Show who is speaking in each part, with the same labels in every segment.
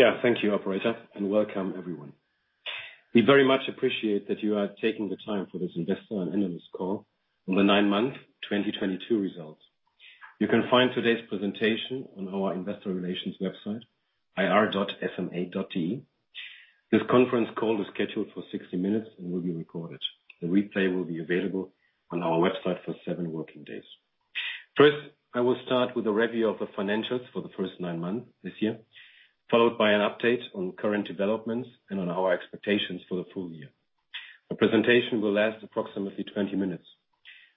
Speaker 1: Yeah, thank you, operator, and welcome everyone. We very much appreciate that you are taking the time for this investor and analyst call on the nine-month 2022 results. You can find today's presentation on our investor relations website, ir.sma.de. This conference call is scheduled for 60 minutes and will be recorded. The replay will be available on our website for seven working days. First, I will start with a review of the financials for the first nine months this year, followed by an update on current developments and on our expectations for the full year. The presentation will last approximately 20 minutes.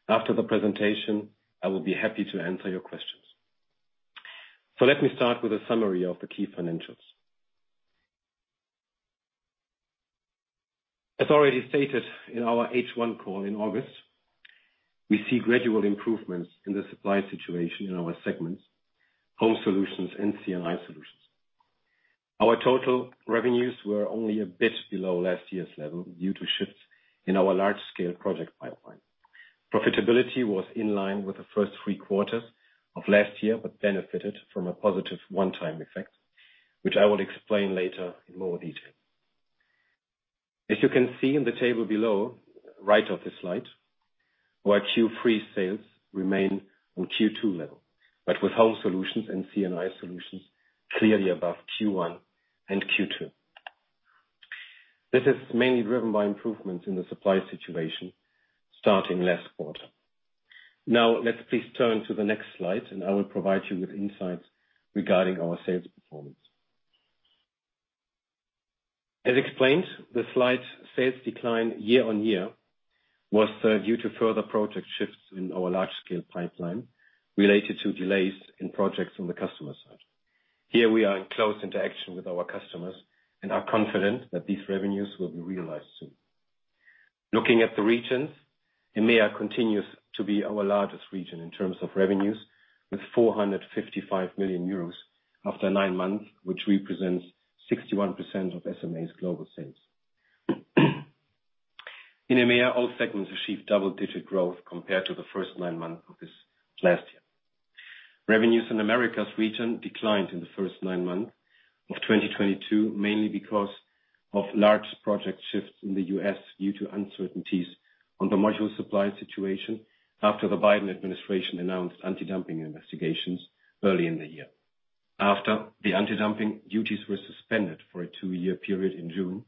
Speaker 1: After the presentation, I will be happy to answer your questions. Let me start with a summary of the key financials. As already stated in our H1 call in August, we see gradual improvements in the supply situation in our segments, Home Solutions and C&I Solutions. Our total revenues were only a bit below last year's level due to shifts in our large-scale project pipeline. Profitability was in line with the first three quarters of last year, but benefited from a positive one-time effect, which I will explain later in more detail. As you can see in the table below, right of this slide, our Q3 sales remain on Q2 level, but with Home Solutions and C&I Solutions clearly above Q1 and Q2. This is mainly driven by improvements in the supply situation starting last quarter. Now, let's please turn to the next slide, and I will provide you with insights regarding our sales performance. As explained, the slight sales decline year-over-year was due to further project shifts in our large-scale pipeline related to delays in projects on the customer side. Here, we are in close interaction with our customers and are confident that these revenues will be realized soon. Looking at the regions, EMEA continues to be our largest region in terms of revenues with 455 million euros after nine months, which represents 61% of SMA's global sales. In EMEA, all segments achieved double-digit growth compared to the first nine months of this last year. Revenues in Americas region declined in the first nine months of 2022, mainly because of large project shifts in the US due to uncertainties on the module supply situation after the Biden administration announced anti-dumping investigations early in the year. After the anti-dumping duties were suspended for a two-year period in June,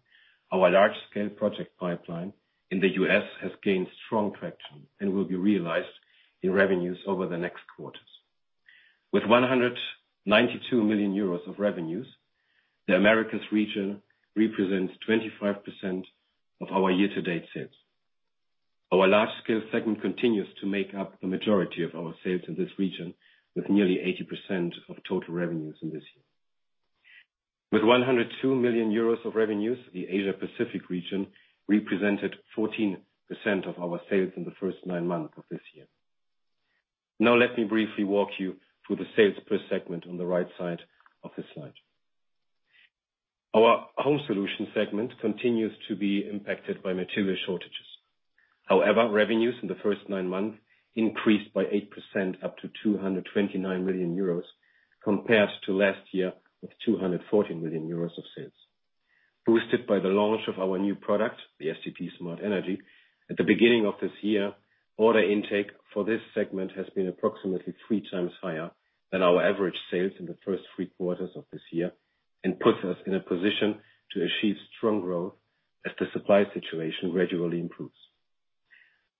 Speaker 1: our large-scale project pipeline in the US has gained strong traction and will be realized in revenues over the next quarters. With 192 million euros of revenues, the Americas region represents 25% of our year-to-date sales. Our Large Scale segment continues to make up the majority of our sales in this region, with nearly 80% of total revenues in this year. With 102 million euros of revenues, the Asia Pacific region represented 14% of our sales in the first nine months of this year. Now let me briefly walk you through the sales per segment on the right side of this slide. Our Home Solutions segment continues to be impacted by material shortages. However, revenues in the first nine months increased by 8% up to 229 million euros compared to last year with 214 million euros of sales. Boosted by the launch of our new product, the Sunny Tripower Smart Energy, at the beginning of this year, order intake for this segment has been approximately three times higher than our average sales in the first three quarters of this year and puts us in a position to achieve strong growth as the supply situation gradually improves.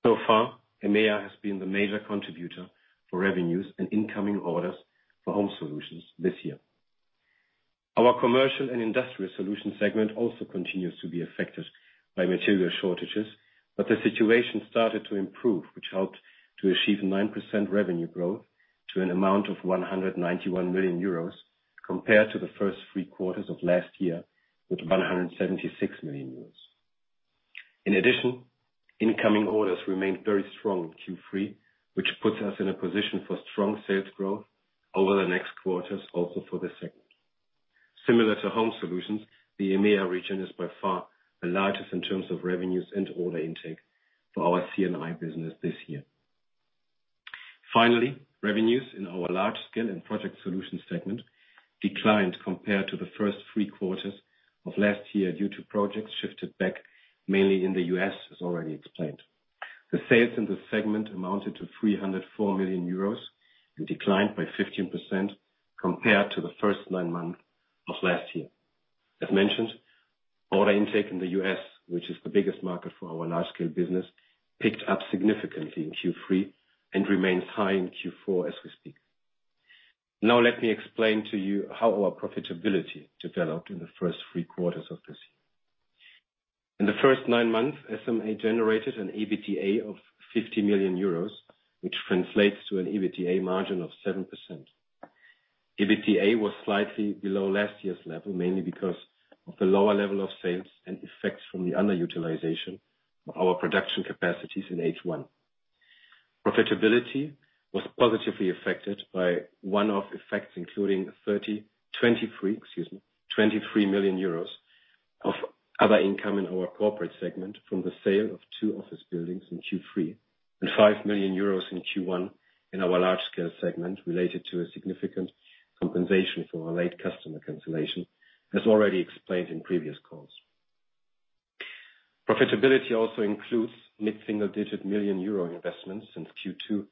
Speaker 1: So far, EMEA has been the major contributor for revenues and incoming orders for Home Solutions this year. Our Commercial & Industrial Solutions segment also continues to be affected by material shortages, but the situation started to improve, which helped to achieve 9% revenue growth to an amount of 191 million euros compared to the first three quarters of last year with 176 million euros. In addition, incoming orders remained very strong in Q3, which puts us in a position for strong sales growth over the next quarters also for this segment. Similar to Home Solutions, the EMEA region is by far the largest in terms of revenues and order intake for our C&I business this year. Finally, revenues in our Large Scale and Project Solutions segment declined compared to the first three quarters of last year due to projects shifted back mainly in the U.S., as already explained. The sales in this segment amounted to 304 million euros and declined by 15% compared to the first nine months of last year. As mentioned, order intake in the U.S., which is the biggest market for our large-scale business, picked up significantly in Q3 and remains high in Q4 as we speak. Now let me explain to you how our profitability developed in the first three quarters of this year. In the first nine months, SMA generated an EBITDA of 50 million euros, which translates to an EBITDA margin of 7%. EBITDA was slightly below last year's level, mainly because of the lower level of sales and effects from the underutilization of our production capacities in H1. Profitability was positively affected by one-off effects, including 23, excuse me, million euros of other income in our corporate segment from the sale of two office buildings in Q3 and 5 million euros in Q1 in our Large Scale segment related to a significant compensation for a late customer cancellation, as already explained in previous calls. Profitability also includes mid single-digit million EUR investments since Q2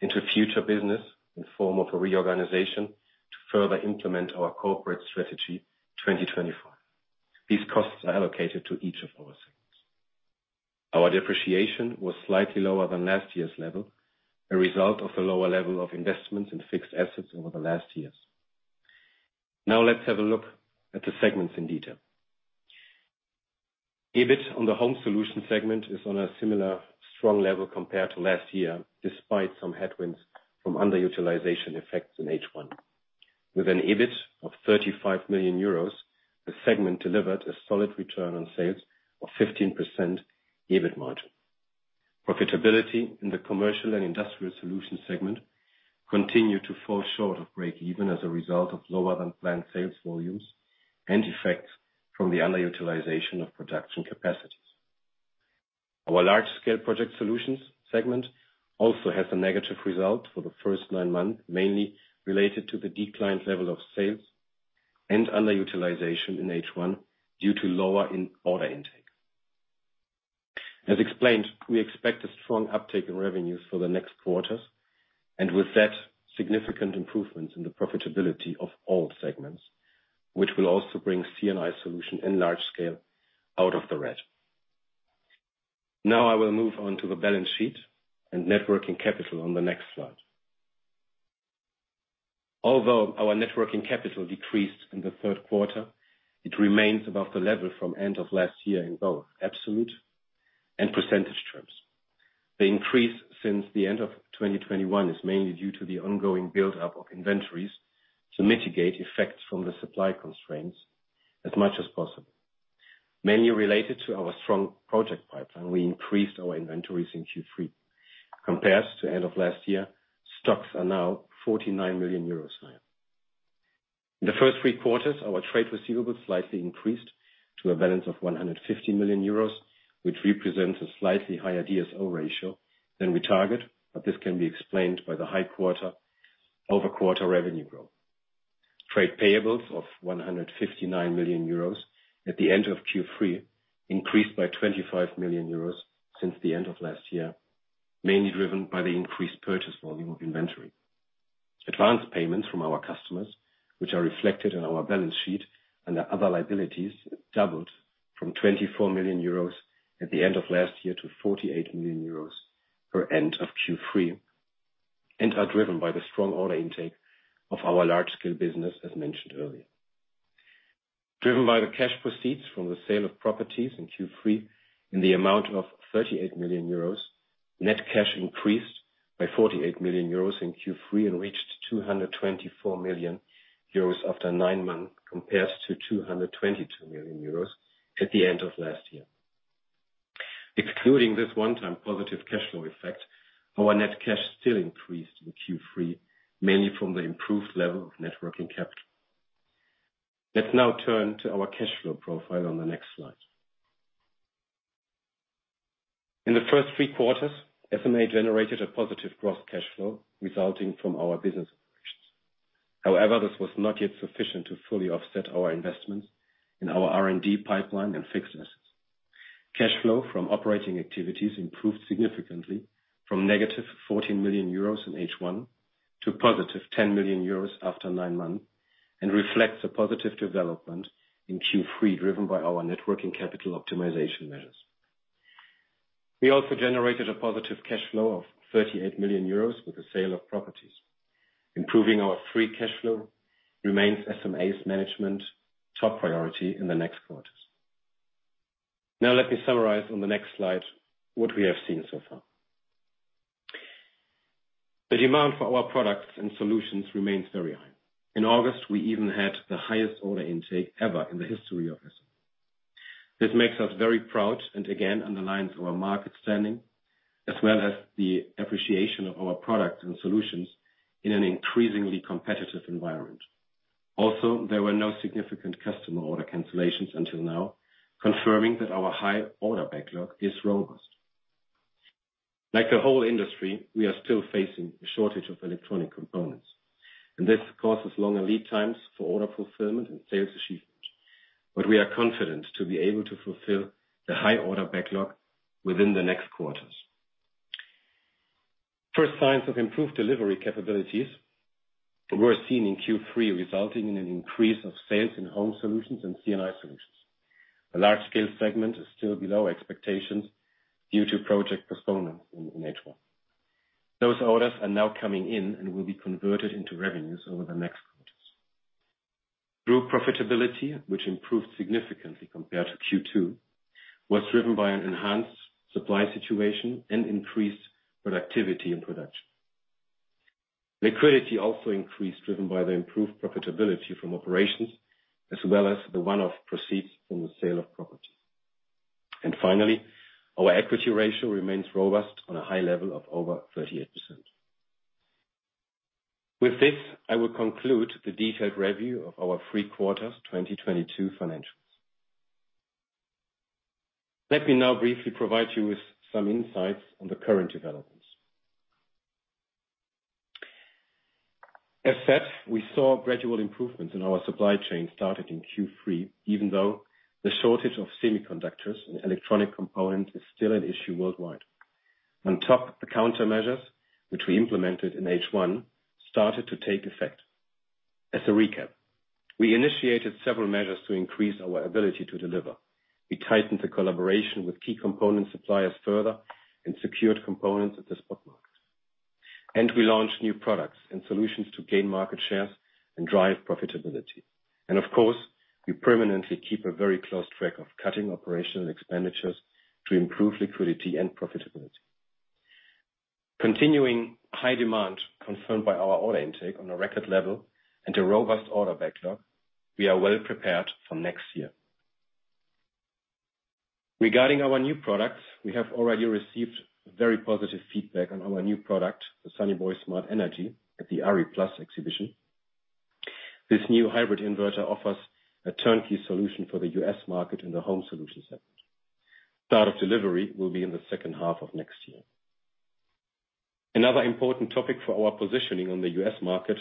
Speaker 1: into future business in the form of a reorganization to further implement our Corporate Strategy 2024. These costs are allocated to each of our segments. Our depreciation was slightly lower than last year's level, a result of the lower level of investments in fixed assets over the last years. Now let's have a look at the segments in detail. EBIT on the Home Solutions segment is on a similar strong level compared to last year, despite some headwinds from underutilization effects in H1. With an EBIT of 35 million euros, the segment delivered a solid return on sales of 15% EBIT margin. Profitability in the Commercial and Industrial Solutions segment continued to fall short of break even as a result of lower than planned sales volumes and effects from the underutilization of production capacities. Our Large Scale & Project Solutions segment also has a negative result for the first nine months, mainly related to the declined level of sales and underutilization in H1 due to lower order intake. As explained, we expect a strong uptake in revenues for the next quarters, and with that, significant improvements in the profitability of all segments, which will also bring C&I Solutions and Large Scale out of the red. Now I will move on to the balance sheet and net working capital on the next slide. Although our net working capital decreased in the Q3, it remains above the level from end of last year in both absolute and percentage terms. The increase since the end of 2021 is mainly due to the ongoing build-up of inventories to mitigate effects from the supply constraints as much as possible. Mainly related to our strong project pipeline, we increased our inventories in Q3. Compared to end of last year, stocks are now 49 million euros higher. In the first three quarters, our trade receivables slightly increased to a balance of 150 million euros, which represents a slightly higher DSO ratio than we target, but this can be explained by the high quarter-over-quarter revenue growth. Trade payables of 159 million euros at the end of Q3 increased by 25 million euros since the end of last year, mainly driven by the increased purchase volume of inventory. Advanced payments from our customers, which are reflected on our balance sheet under other liabilities, doubled from 24 million euros at the end of last year to 48 million euros at the end of Q3 and are driven by the strong order intake of our large-scale business, as mentioned earlier. Driven by the cash proceeds from the sale of properties in Q3 in the amount of 38 million euros, net cash increased by 48 million euros in Q3 and reached 224 million euros after nine months, compared to 222 million euros at the end of last year. Excluding this one-time positive cash flow effect, our net cash still increased in Q3, mainly from the improved level of net working capital. Let's now turn to our cash flow profile on the next slide. In the first three quarters, SMA generated a positive gross cash flow resulting from our business operations. However, this was not yet sufficient to fully offset our investments in our R&D pipeline and fixed assets. Cash flow from operating activities improved significantly from negative 14 million euros in H1 to positive 10 million euros after nine months and reflects a positive development in Q3, driven by our net working capital optimization measures. We also generated a positive cash flow of 38 million euros with the sale of properties. Improving our free cash flow remains SMA's management top priority in the next quarters. Now let me summarize on the next slide what we have seen so far. The demand for our products and solutions remains very high. In August, we even had the highest order intake ever in the history of SMA. This makes us very proud and again underlines our market standing, as well as the appreciation of our products and solutions in an increasingly competitive environment. Also, there were no significant customer order cancellations until now, confirming that our high order backlog is robust. Like the whole industry, we are still facing a shortage of electronic components, and this causes longer lead times for order fulfillment and sales achievement. But we are confident to be able to fulfill the high order backlog within the next quarters. First signs of improved delivery capabilities were seen in Q3, resulting in an increase of sales in Home Solutions and C&I Solutions. The Large Scale segment is still below expectations due to project postponements in H1. Those orders are now coming in and will be converted into revenues over the next quarters. Group profitability, which improved significantly compared to Q2, was driven by an enhanced supply situation and increased productivity in production. Liquidity also increased, driven by the improved profitability from operations as well as the one-off proceeds from the sale of property. Finally, our equity ratio remains robust on a high level of over 38%. With this, I will conclude the detailed review of our three quarters 2022 financials. Let me now briefly provide you with some insights on the current developments. As said, we saw gradual improvements in our supply chain started in Q3, even though the shortage of semiconductors and electronic components is still an issue worldwide. On top, the countermeasures which we implemented in H1 started to take effect. As a recap, we initiated several measures to increase our ability to deliver. We tightened the collaboration with key component suppliers further and secured components at the spot market. We launched new products and solutions to gain market shares and drive profitability. Of course, we permanently keep a very close track of cutting operational expenditures to improve liquidity and profitability. Continuing high demand confirmed by our order intake on a record level and a robust order backlog, we are well prepared for next year. Regarding our new products, we have already received very positive feedback on our new product, the Sunny Boy Smart Energy, at the RE+ exhibition. This new hybrid inverter offers a turnkey solution for the US market in the Home Solutions segment. Start of delivery will be in the second half of next year. Another important topic for our positioning on the US market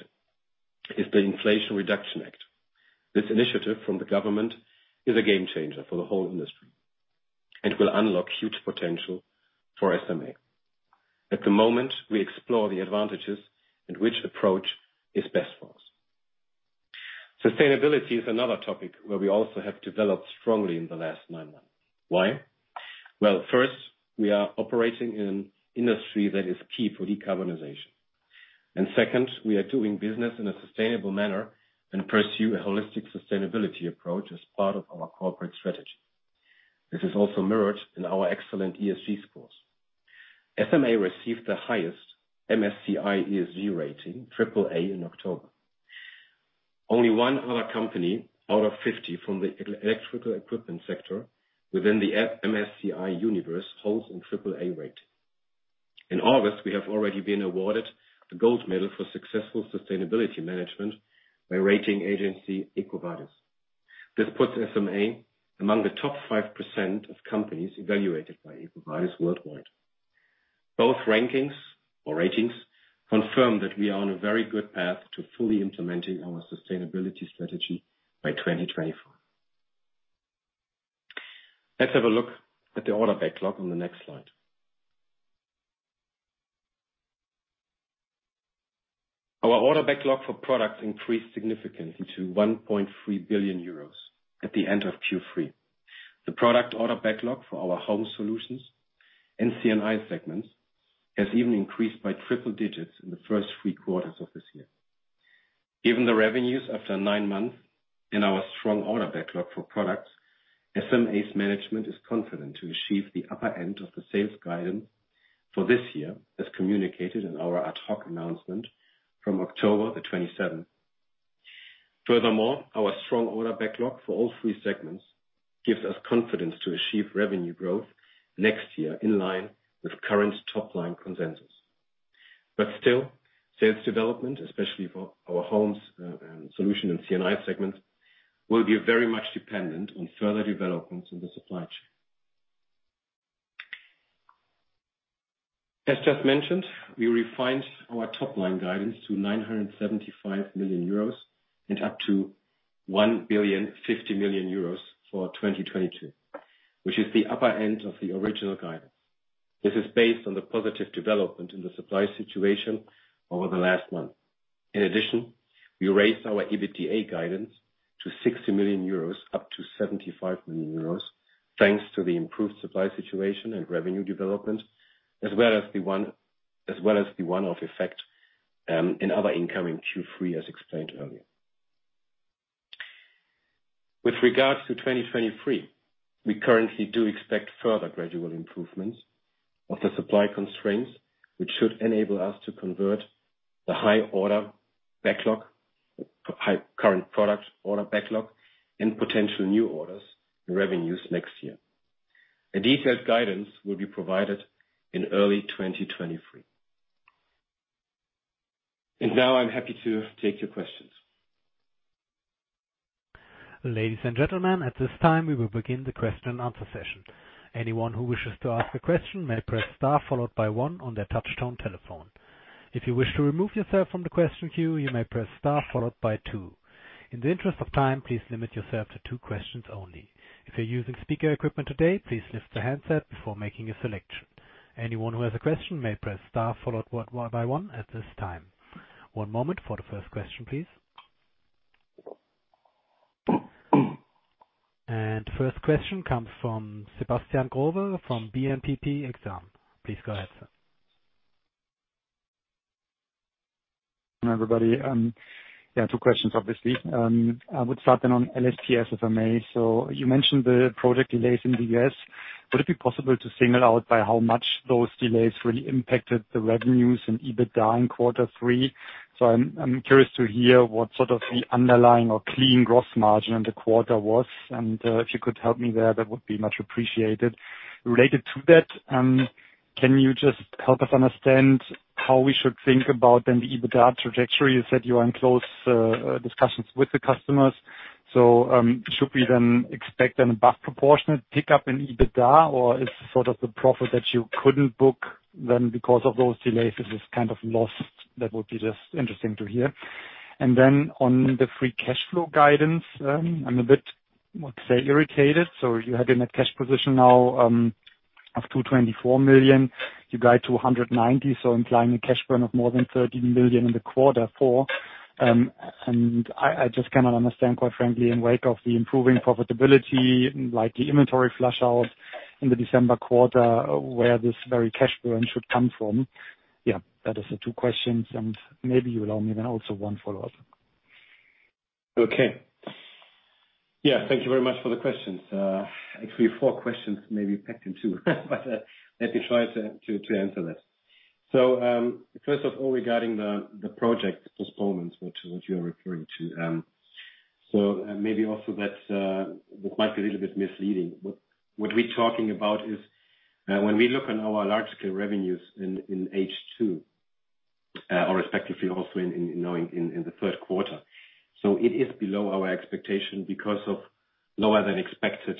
Speaker 1: is the Inflation Reduction Act. This initiative from the government is a game changer for the whole industry and will unlock huge potential for SMA. At the moment, we explore the advantages and which approach is best for us. Sustainability is another topic where we also have developed strongly in the last nine months. Why? Well, first, we are operating in an industry that is key for decarbonization. Second, we are doing business in a sustainable manner and pursue a holistic sustainability approach as part of our corporate strategy. This is also mirrored in our excellent ESG scores. SMA received the highest MSCI ESG rating, triple A, in October. Only one other company out of 50 from the electrical equipment sector within the MSCI universe holds a triple A rate. In August, we have already been awarded the gold medal for successful sustainability management by rating agency EcoVadis. This puts SMA among the top 5% of companies evaluated by EcoVadis worldwide. Both rankings or ratings confirm that we are on a very good path to fully implementing our sustainability strategy by 2024. Let's have a look at the order backlog on the next slide. Our order backlog for products increased significantly to 1.3 billion euros at the end of Q3. The product order backlog for our Home Solutions and C&I segments has even increased by triple-digits in the first three quarters of this year. Given the revenues after nine months in our strong order backlog for products, SMA's management is confident to achieve the upper end of the sales guidance for this year, as communicated in our ad hoc announcement from October 27. Furthermore, our strong order backlog for all three segments gives us confidence to achieve revenue growth next year in line with current top-line consensus. Still, sales development, especially for our Home Solutions and C&I segments, will be very much dependent on further developments in the supply chain. As just mentioned, we refined our top-line guidance to 975 million-1,050 million euros for 2022, which is the upper end of the original guidance. This is based on the positive development in the supply situation over the last month. In addition, we raised our EBITDA guidance to 60 million-75 million euros, thanks to the improved supply situation and revenue development, as well as the one-off effect in other income Q3, as explained earlier. With regards to 2023, we currently do expect further gradual improvements of the supply constraints, which should enable us to convert the high order backlog, high current product order backlog and potential new orders and revenues next year. A detailed guidance will be provided in early 2023. Now I'm happy to take your questions.
Speaker 2: Ladies and gentlemen, at this time, we will begin the Q&A session. Anyone who wishes to ask a question may press star followed by one on their touchtone telephone. If you wish to remove yourself from the question queue, you may press star followed by two. In the interest of time, please limit yourself to two questions only. If you're using speaker equipment today, please lift the handset before making a selection. Anyone who has a question may press star followed by one at this time. One moment for the first question, please. First question comes from Sebastian Growe from BNP Paribas Exane. Please go ahead, sir.
Speaker 3: Everybody, two questions, obviously. I would start then on LSPS at SMA. You mentioned the product delays in the US. Would it be possible to single out by how much those delays really impacted the revenues and EBITDA in Q3? I'm curious to hear what sort of the underlying or clean gross margin in the quarter was, and if you could help me there, that would be much appreciated. Related to that, can you just help us understand how we should think about then the EBITDA trajectory? You said you are in close discussions with the customers. Should we then expect an above proportionate pickup in EBITDA, or is sort of the profit that you couldn't book then because of those delays kind of lost? That would be just interesting to hear. Then on the free cash flow guidance, I'm a bit, let's say, irritated. You had a net cash position now of 224 million. You guide to 190 million, so implying a cash burn of more than 34 million in Q4. I just cannot understand, quite frankly, in the wake of the improving profitability, like the inventory flush out in the December quarter, where this very cash burn should come from. Yeah, that is the two questions, and maybe you will allow me then also one follow-up.
Speaker 1: Okay. Yeah, thank you very much for the questions. Actually four questions maybe packed in two, but, let me try to answer that. First of all, regarding the project postponements which you are referring to. Maybe also that might be a little bit misleading. What we're talking about is, when we look on our large-scale revenues in H2, or respectively also in the Q3, so it is below our expectation because of lower than expected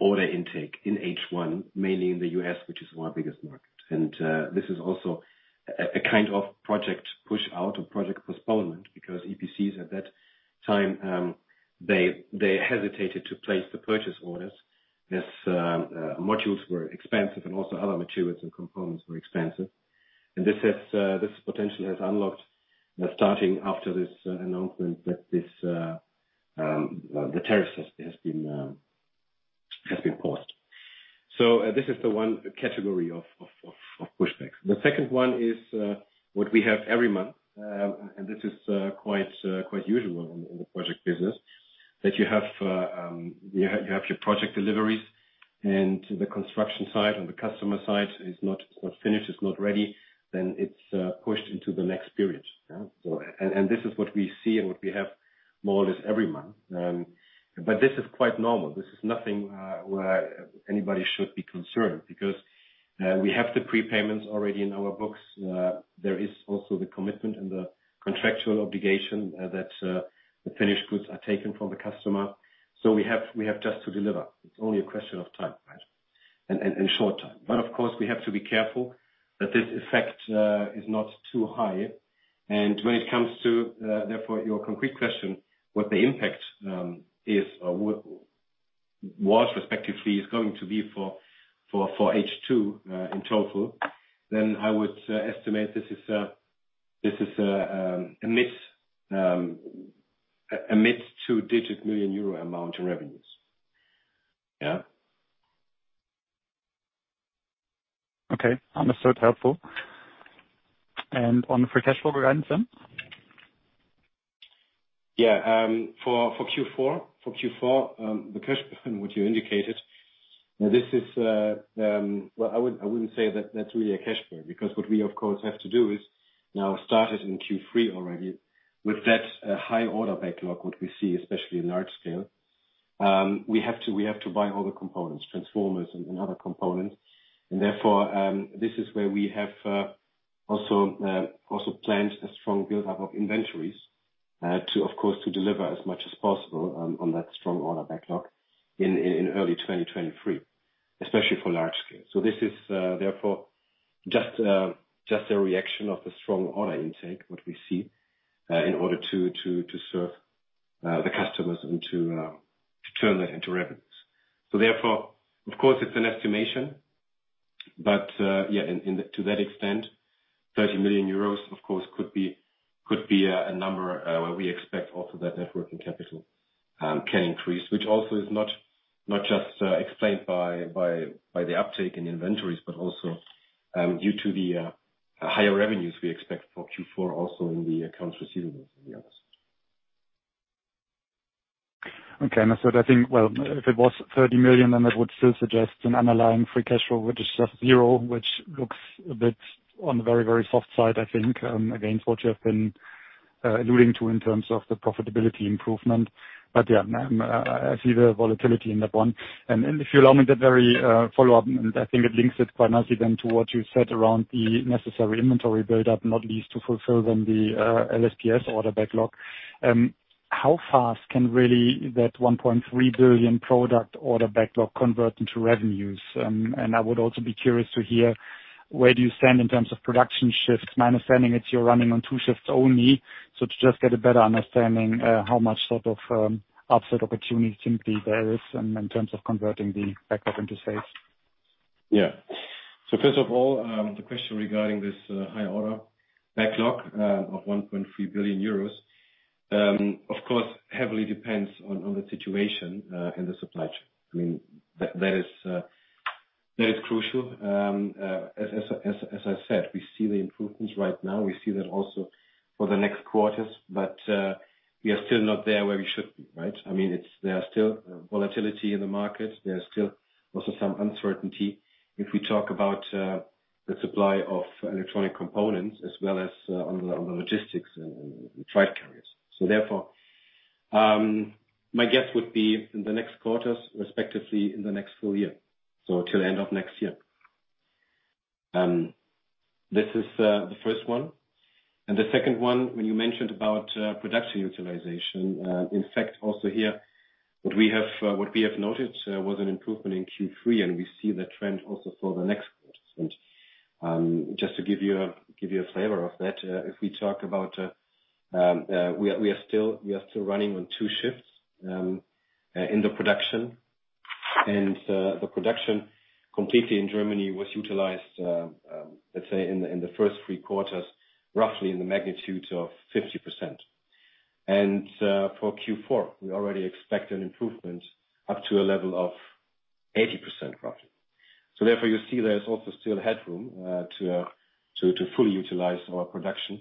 Speaker 1: order intake in H1, mainly in the U.S., which is our biggest market. This is also a kind of project push out or project postponement because EPCs at that time, they hesitated to place the purchase orders as modules were expensive and also other materials and components were expensive. This potentially has unlocked starting after this announcement that the tariff has been paused. This is the one category of pushbacks. The second one is what we have every month, and this is quite usual in the project business, that you have your project deliveries and the construction site or the customer site is not finished, it's not ready, then it's pushed into the next period. This is what we see and what we have more or less every month. This is quite normal. This is nothing where anybody should be concerned because we have the prepayments already in our books. There is also the commitment and the contractual obligation that the finished goods are taken from the customer. We have just to deliver. It's only a question of time, right? In short time. Of course, we have to be careful that this effect is not too high. When it comes to, therefore, your concrete question, what the impact is or was respectively is going to be for H2 in total, then I would estimate this is a mid two-digit million EUR amount in revenues. Yeah.
Speaker 3: Okay. Understood. Helpful. On the free cash flow guidance then?
Speaker 1: Yeah. For Q4, the cash burn which you indicated. Well, I wouldn't say that that's really a cash burn, because what we of course have to do is now start it in Q3 already with that high order backlog, what we see, especially in Large Scale. We have to buy all the components, transformers and other components. Therefore, this is where we have also planned a strong build-up of inventories, to of course to deliver as much as possible, on that strong order backlog in early 2023, especially for Large Scale. This is therefore just a reaction to the strong order intake what we see in order to serve the customers and to turn that into revenues. Therefore, of course it's an estimation, but yeah, to that extent, 30 million euros of course could be a number where we expect also that net working capital can increase. Which also is not just explained by the uptake in inventories, but also due to the higher revenues we expect for Q4 also in the accounts receivables in the others.
Speaker 3: Okay. I said, I think, well, if it was 30 million, then that would still suggest an underlying free cash flow, which is just zero, which looks a bit on the very, very soft side, I think, again, what you have been alluding to in terms of the profitability improvement. Yeah, I see the volatility in that one. If you allow me that very follow-up, I think it links it quite nicely then to what you said around the necessary inventory build-up, not least to fulfill then the LSPS order backlog. How fast can really that 1.3 billion product order backlog convert into revenues? I would also be curious to hear where do you stand in terms of production shifts. My understanding, it's you're running on two shifts only. To just get a better understanding, how much sort of upside opportunity simply there is in terms of converting the backlog into sales.
Speaker 1: Yeah. First of all, the question regarding this high order backlog of 1.3 billion euros, of course, heavily depends on the situation in the supply chain. I mean, that is crucial. As I said, we see the improvements right now. We see that also for the next quarters, but we are still not there where we should be, right? I mean, there are still volatility in the market. There are still also some uncertainty if we talk about the supply of electronic components as well as on the logistics and freight carriers. Therefore, my guess would be in the next quarters, respectively in the next full year, till end of next year. This is the first one. The second one, when you mentioned about production utilization, in fact also here what we have noticed was an improvement in Q3 and we see the trend also for the next quarters. Just to give you a flavor of that, if we talk about we are still running on two shifts in the production. The production completely in Germany was utilized, let's say in the first three quarters, roughly in the magnitude of 50%. For Q4, we already expect an improvement up to a level of 80% roughly. Therefore you see there is also still headroom to fully utilize our production,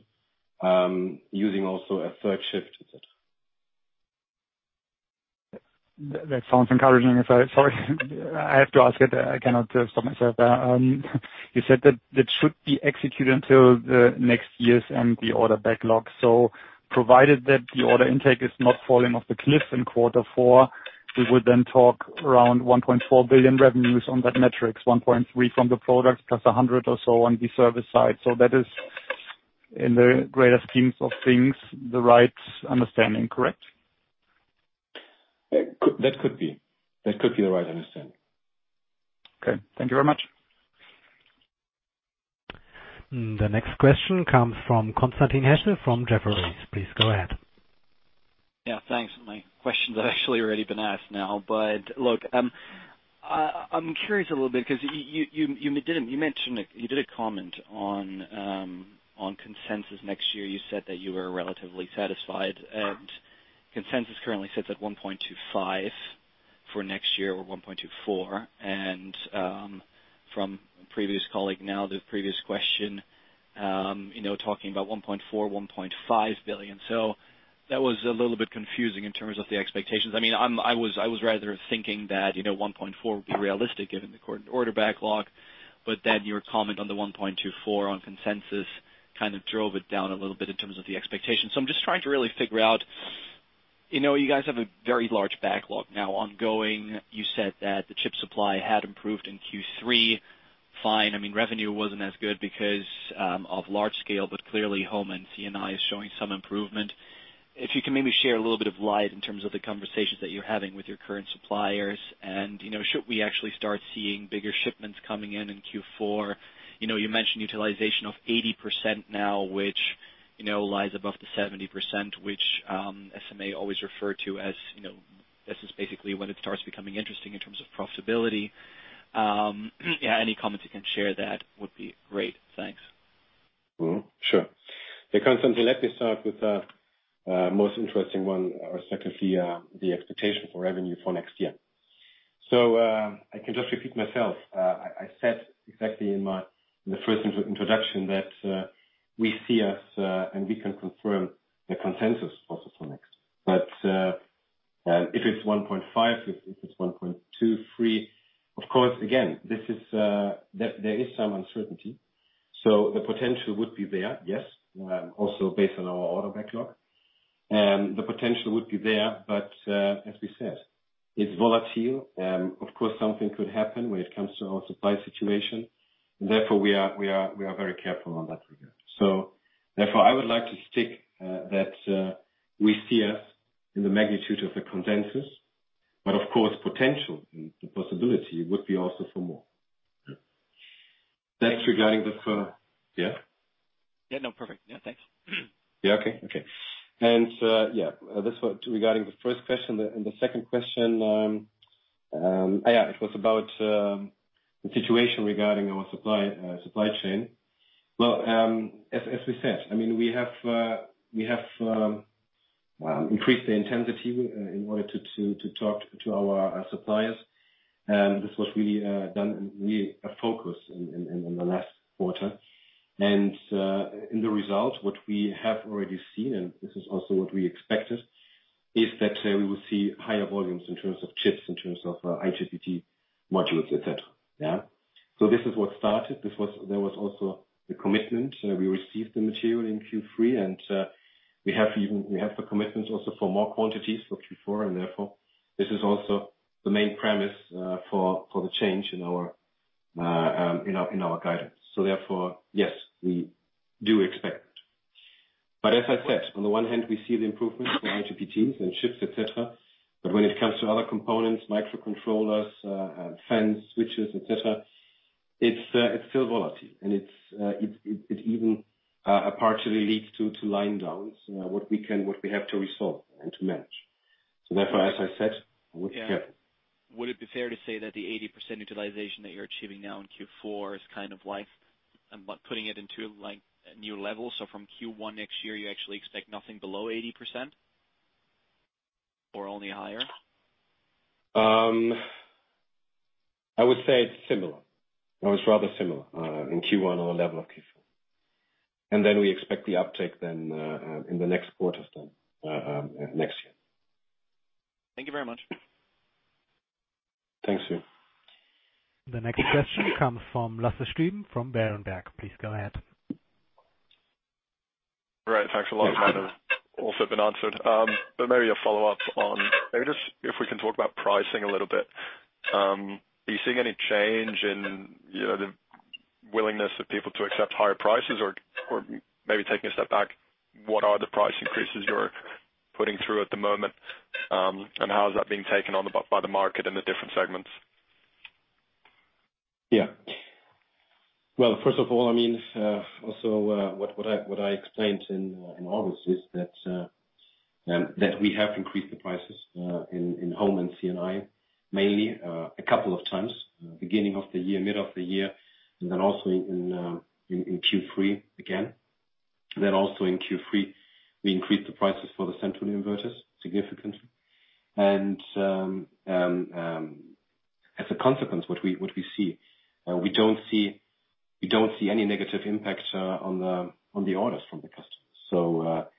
Speaker 1: using also a third shift, et cetera.
Speaker 3: That sounds encouraging. Sorry, I have to ask it, I cannot stop myself. You said that should be executed until the next years and the order backlog. Provided that the order intake is not falling off the cliff in quarter four, we would then talk around 1.4 billion revenues on that metrics, 1.3 billion from the products, plus 100 million or so on the service side. That is in the greater schemes of things the right understanding, correct?
Speaker 1: That could be. That could be the right understanding.
Speaker 3: Okay. Thank you very much.
Speaker 2: The next question comes from Constantin Hesse from Jefferies. Please go ahead.
Speaker 4: Yeah, thanks. My question's actually already been asked now. Look, I'm curious a little bit 'cause you mentioned it, you did a comment on consensus next year. You said that you were relatively satisfied, and consensus currently sits at 1.25 billion for next year or 1.24 billion. From previous colleague now, the previous question, you know, talking about 1.4 billion, 1.5 billion. So that was a little bit confusing in terms of the expectations. I mean, I'm, I was rather thinking that, you know, 1.4 billion would be realistic given the current order backlog, but then your comment on the 1.24 billion on consensus kind of drove it down a little bit in terms of the expectations. I'm just trying to really figure out, you know, you guys have a very large backlog now ongoing. You said that the chip supply had improved in Q3. Fine. I mean, revenue wasn't as good because of Large Scale, but clearly home and C&I is showing some improvement. If you can maybe share a little bit of light in terms of the conversations that you're having with your current suppliers and, you know, should we actually start seeing bigger shipments coming in in Q4? You know, you mentioned utilization of 80% now, which, you know, lies above the 70%, which, SMA always refer to as, you know, this is basically when it starts becoming interesting in terms of profitability. Yeah, any comments you can share that would be great. Thanks.
Speaker 1: Sure. Yeah, Constantin Hesse, let me start with the most interesting one or secondly the expectation for revenue for next year. I can just repeat myself. I said exactly in the first introduction that we see us and we can confirm the consensus also for next. If it's 1.5, if it's 1.23, of course, again, this is there is some uncertainty. The potential would be there, yes, also based on our order backlog. The potential would be there, but as we said, it's volatile. Of course, something could happen when it comes to our supply situation. Therefore, we are very careful in that regard. I would like to stick to that we see ourselves in the magnitude of the consensus, but of course, potential and the possibility would be also for more. Thanks regarding the future. Yeah?
Speaker 4: Yeah, no. Perfect. Yeah, thanks.
Speaker 1: Yeah, okay. Okay. Yeah, this was regarding the first question. The second question, yeah, it was about the situation regarding our supply chain. Well, as we said, I mean, we have increased the intensity in order to talk to our suppliers. This was really done and really a focus in the last quarter. In the result, what we have already seen, and this is also what we expected, is that we will see higher volumes in terms of chips, in terms of IGBT modules, et cetera. Yeah? This is what started. There was also the commitment. We received the material in Q3, and we even have the commitment also for more quantities for Q4, and therefore this is also the main premise for the change in our guidance. Yes, we do expect. As I said, on the one hand we see the improvements in IGBTs and chips, et cetera, but when it comes to other components, microcontrollers, FET switches, et cetera, it's still volatile and it even partially leads to line downs what we have to resolve and to manage. As I said, we're careful.
Speaker 4: Would it be fair to say that the 80% utilization that you're achieving now in Q4 is kind of like, putting it into like a new level? From Q1 next year you actually expect nothing below 80% or only higher?
Speaker 1: I would say it's similar. It was rather similar in Q1 at level of Q4. We expect the uptick in the next quarters next year.
Speaker 4: Thank you very much.
Speaker 1: Thank you.
Speaker 2: The next question comes from Lasse Stüben from Berenberg. Please go ahead.
Speaker 5: Thanks a lot. That has also been answered. Maybe a follow-up on, maybe just if we can talk about pricing a little bit. Are you seeing any change in, you know, the willingness of people to accept higher prices or maybe taking a step back, what are the price increases you're putting through at the moment, and how is that being taken on by the market in the different segments?
Speaker 1: Yeah. Well, first of all, I mean, also, what I explained in August is that we have increased the prices in home and C&I mainly a couple of times, beginning of the year, middle of the year, and then also in Q3 again. Then also in Q3, we increased the prices for the central inverters significantly. As a consequence, what we see, we don't see any negative impacts on the orders from the customers.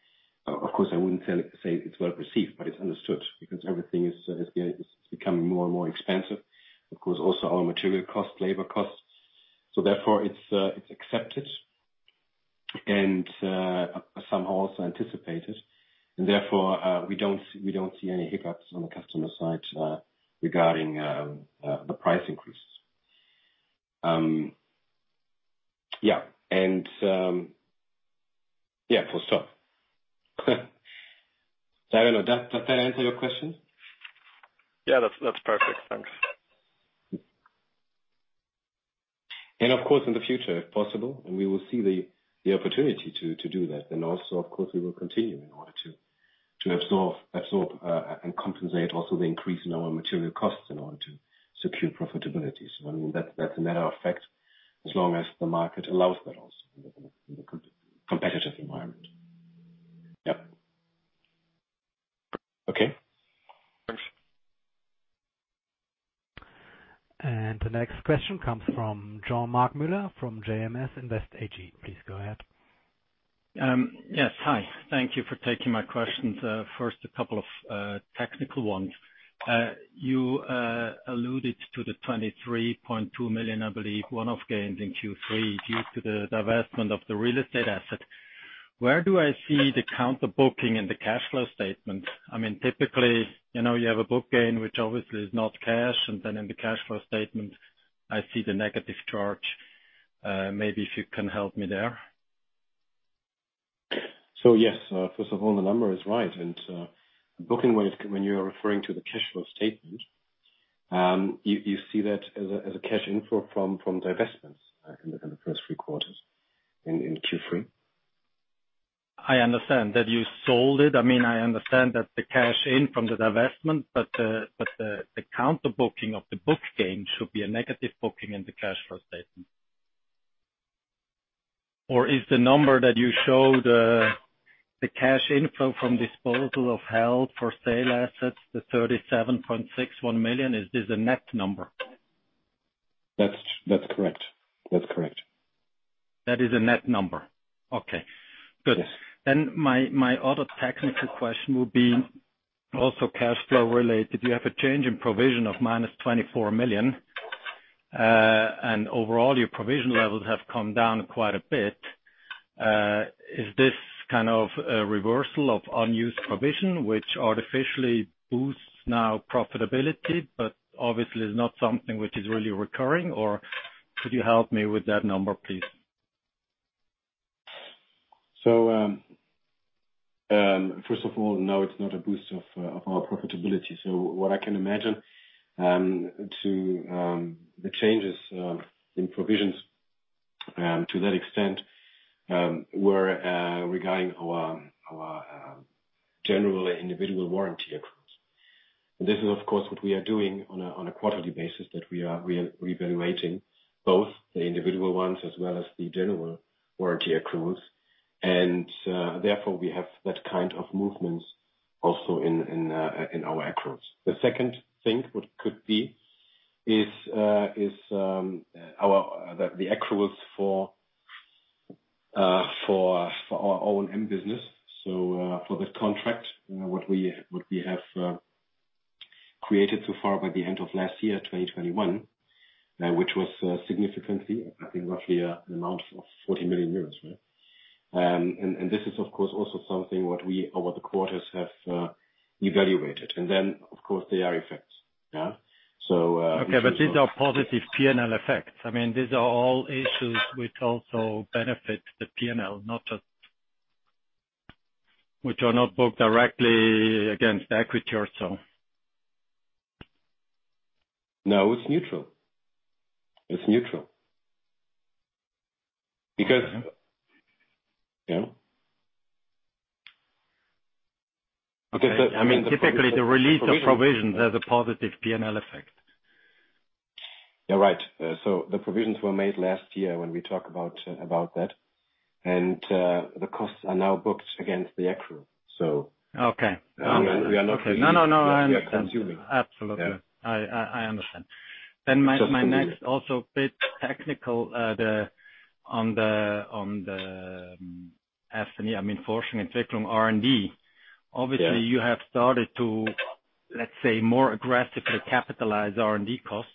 Speaker 1: Of course, I wouldn't say it's well-received, but it's understood because everything is becoming more and more expensive. Of course, also our material costs, labor costs. Therefore, it's accepted and somehow also anticipated. Therefore, we don't see any hiccups on the customer side regarding the price increases. Yeah. Yeah, full stop. I don't know. Does that answer your question?
Speaker 5: Yeah. That's perfect. Thanks.
Speaker 1: Of course, in the future, if possible, and we will see the opportunity to do that, then also, of course, we will continue in order to absorb and compensate also the increase in our material costs in order to secure profitability. I mean, that's a matter of fact, as long as the market allows that also in the competitive environment. Yep. Okay.
Speaker 5: Thanks.
Speaker 2: The next question comes from Jean-Marc Müller from JMS Invest AG. Please go ahead.
Speaker 6: Yes. Hi. Thank you for taking my questions. First a couple of technical ones. You alluded to the 23.2 million, I believe, one-off gains in Q3 due to the divestment of the real estate asset. Where do I see the counter booking in the cash flow statement? I mean, typically, you know, you have a book gain, which obviously is not cash, and then in the cash flow statement, I see the negative charge. Maybe if you can help me there.
Speaker 1: Yes, first of all, the number is right. Booking-wise, when you are referring to the cash flow statement, you see that as a cash inflow from divestments in the first three quarters in Q3.
Speaker 6: I understand that you sold it. I mean, I understand that the cash in from the divestment, but the counter booking of the book gain should be a negative booking in the cash flow statement. Or is the number that you show the cash inflow from disposal of held for sale assets, the 37.61 million, is this a net number?
Speaker 1: That's correct. That's correct.
Speaker 6: That is a net number. Okay. Good.
Speaker 1: Yes.
Speaker 6: My other technical question will be also cash flow related. You have a change in provision of -24 million, and overall your provision levels have come down quite a bit. Is this kind of a reversal of unused provision which artificially boosts our profitability but obviously is not something which is really recurring, or could you help me with that number, please?
Speaker 1: First of all, no, it's not a boost to our profitability. What I can imagine to the changes in provisions to that extent were regarding our general and individual warranty accruals. This is, of course, what we are doing on a quarterly basis, that we are re-evaluating both the individual ones as well as the general warranty accruals. Therefore, we have that kind of movement also in our accruals. The second thing which could be is the accruals for our O&M business. For this contract, what we have created so far by the end of last year, 2021, which was significantly, I think roughly, an amount of 40 million euros, right? This is of course also something what we over the quarters have evaluated. Of course there are effects. Yeah.
Speaker 6: Okay. These are positive P&L effects. I mean, these are all issues which also benefit the P&L, not just which are not booked directly against equity or so.
Speaker 1: No, it's neutral. Because, you know, I mean.
Speaker 6: Typically, the release of provisions has a positive P&L effect.
Speaker 1: You're right. The provisions were made last year when we talked about that. The costs are now booked against the accrual.
Speaker 6: Okay.
Speaker 1: We are not.
Speaker 6: No, no.
Speaker 1: Consuming.
Speaker 6: Absolutely.
Speaker 1: Yeah.
Speaker 6: I understand. My next is also a bit technical, Anthony, I mean, Forschung und Entwicklung R&D.
Speaker 1: Yeah.
Speaker 6: Obviously, you have started to, let's say, more aggressively capitalize R&D costs.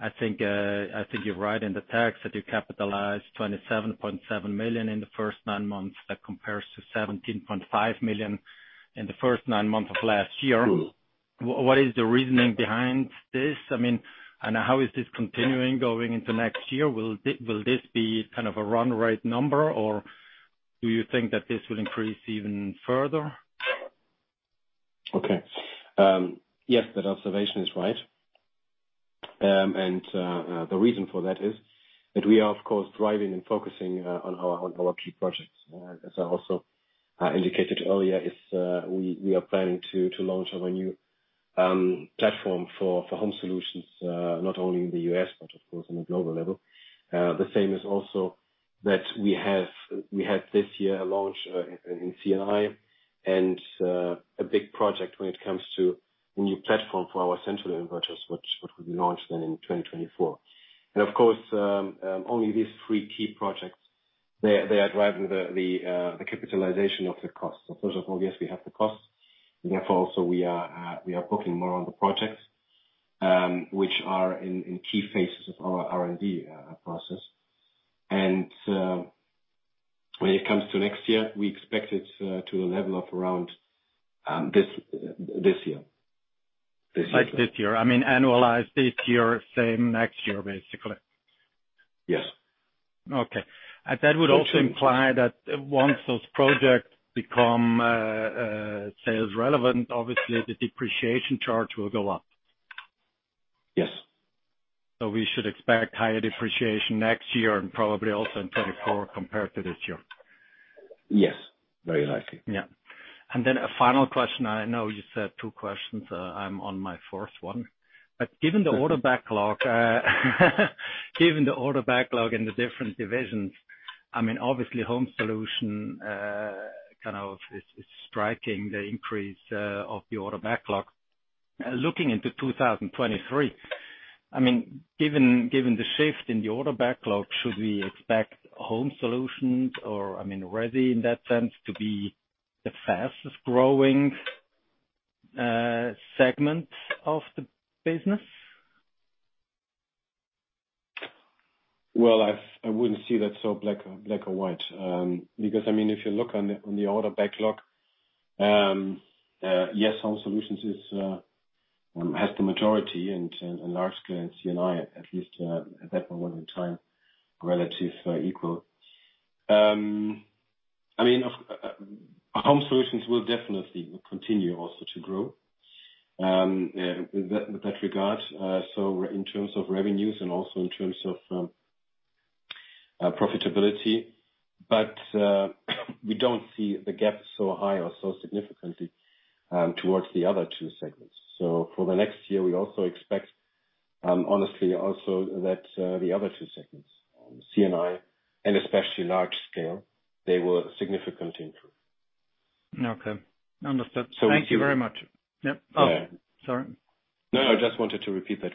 Speaker 6: I think you're right in the fact that you capitalized 27.7 million in the first nine months. That compares to 17.5 million in the first nine months of last year. What is the reasoning behind this? I mean, how is this continuing going into next year? Will this be kind of a run rate number, or do you think that this will increase even further?
Speaker 1: Okay. Yes, that observation is right. The reason for that is that we are of course driving and focusing on our key projects. As I also indicated earlier, we are planning to launch our new platform for Home Solutions, not only in the US but of course on a global level. The same is also that we had this year a launch in C&I and a big project when it comes to the new platform for our central inverters, which will be launched then in 2024. Of course, only these three key projects are driving the capitalization of the costs. First of all, yes, we have the costs. Therefore, also we are booking more on the projects, which are in key phases of our R&D process. When it comes to next year, we expect it to level off around this year.
Speaker 6: Like this year, I mean, annualized this year, same next year, basically.
Speaker 1: Yes.
Speaker 6: Okay. That would also imply that once those projects become sales relevant, obviously the depreciation charge will go up.
Speaker 1: Yes.
Speaker 6: We should expect higher depreciation next year and probably also in 2024 compared to this year.
Speaker 1: Yes. Very likely.
Speaker 6: Yeah. Then a final question. I know you said two questions. I'm on my fourth one. Given the order backlog in the different divisions, I mean, obviously Home Solutions kind of is striking the increase of the order backlog. Looking into 2023, I mean, given the shift in the order backlog, should we expect Home Solutions or, I mean, Resi in that sense, to be the fastest growing segment of the business?
Speaker 1: Well, I wouldn't see that so black or white, because, I mean, if you look at the order backlog, yes, Home Solutions has the majority and Large Scale and C&I, at least at that point in time, relatively equal. I mean, Home Solutions will definitely continue also to grow in that regard, so in terms of revenues and also in terms of profitability. We don't see the gap so high or so significantly towards the other two segments. For the next year, we also expect, honestly also that the other two segments, C&I and especially Large Scale, they will significantly improve.
Speaker 6: Okay. Understood. Thank you very much. Yep. Oh, sorry.
Speaker 1: No, I just wanted to repeat that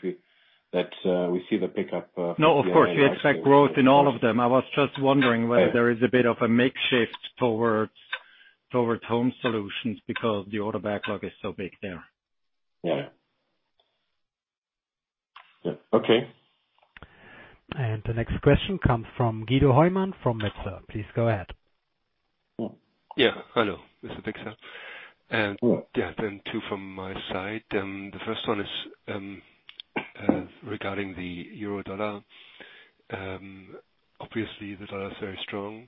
Speaker 1: we see the pickup.
Speaker 6: No, of course. We expect growth in all of them. I was just wondering whether there is a bit of a mix shift towards Home Solutions because the order backlog is so big there.
Speaker 1: Yeah. Yeah. Okay.
Speaker 2: The next question comes from Guido Hoymann from Metzler. Please go ahead.
Speaker 7: Hello, Mr. Pixa. Then two from my side. The first one is regarding the euro dollar. Obviously the dollar is very strong.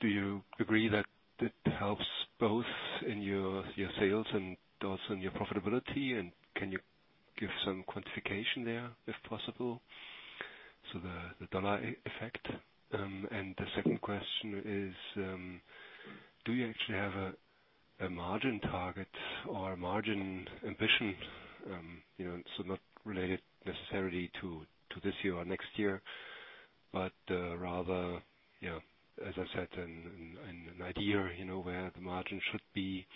Speaker 7: Do you agree that it helps both in your sales and also in your profitability? Can you give some quantification there if possible? The dollar effect. The second question is, do you actually have a margin target or a margin ambition? Not related necessarily to this year or next year, but rather, as I said, an idea where the margin should be,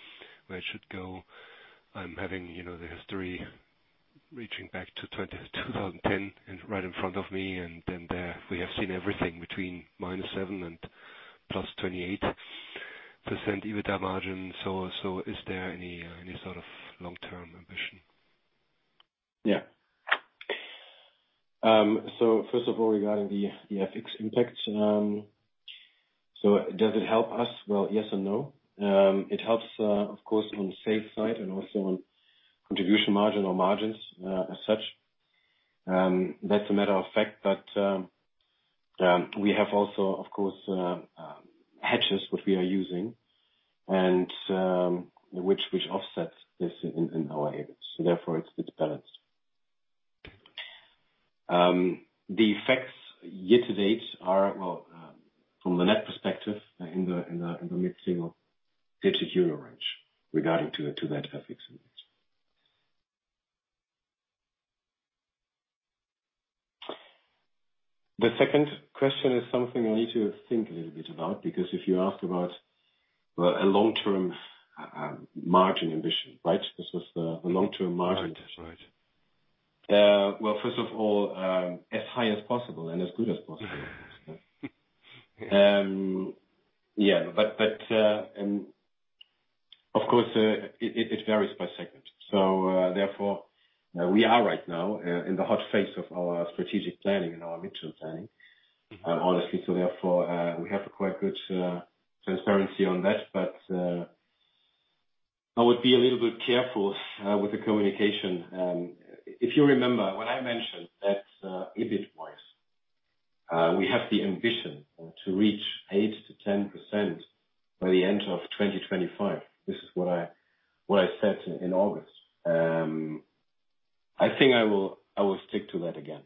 Speaker 7: where it should go. I'm having the history reaching back to 2010 and right in front of me. There we have seen everything between -7% and +28% EBITDA margin. Is there any sort of long-term ambition?
Speaker 1: Yeah. First of all, regarding the FX impact. Does it help us? Well, yes and no. It helps, of course, on the sales side and also on contribution margin or margins, as such. That's a matter of fact that we have also, of course, hedges which we are using and which offsets this in our earnings. Therefore it's balanced. The effects year-to-date are, well, from the net perspective in the mid-single digit euro range regarding that FX impact. The second question is something I need to think a little bit about, because if you ask about, well, a long-term margin ambition, right? This was the long-term margin-
Speaker 7: Right. Right.
Speaker 1: Well, first of all, as high as possible and as good as possible. Yeah, but and of course, it varies by segment. Therefore, we are right now in the hot phase of our strategic planning and our midterm planning.
Speaker 7: Mm-hmm. Honestly, we have quite good transparency on that. I would be a little bit careful with the communication. If you remember, when I mentioned that, EBIT-wise, we have the ambition to reach 8%-10% by the end of 2025, this is what I said in August. I think I will stick to that again.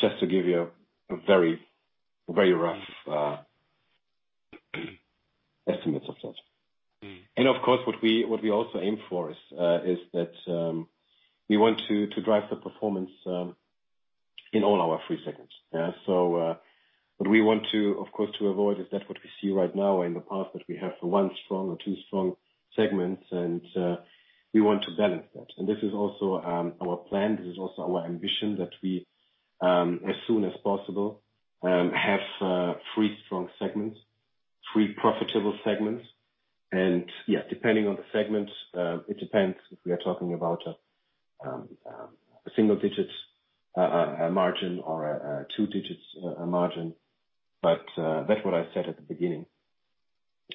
Speaker 7: Just to give you a very, very rough estimates of such. Mm. Of course, what we also aim for is that we want to drive the performance in all our three segments. Yeah. What we want to, of course, avoid is that what we see right now in the past, that we have one strong or two strong segments and we want to balance that. This is also our plan. This is also our ambition that we, as soon as possible, have three strong segments, three profitable segments. Yeah, depending on the segment, it depends if we are talking about a single-digit margin or a two-digit margin. That's what I said at the beginning,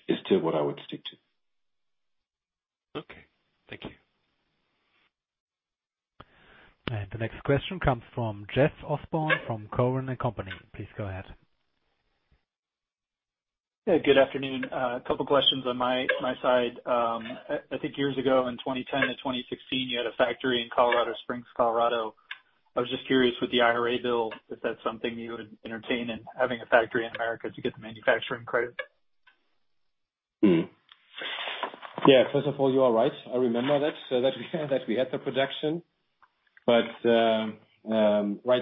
Speaker 7: is still what I would stick to.
Speaker 8: Okay. Thank you.
Speaker 2: The next question comes from Jeffrey Osborne from Cowen & Company. Please go ahead.
Speaker 8: Yeah, good afternoon. A couple questions on my side. I think years ago, in 2010 to 2016, you had a factory in Colorado Springs, Colorado. I was just curious with the IRA bill if that's something you would entertain in having a factory in America to get the manufacturing credit?
Speaker 1: Yeah. First of all, you are right. I remember that, so that we had the production. Right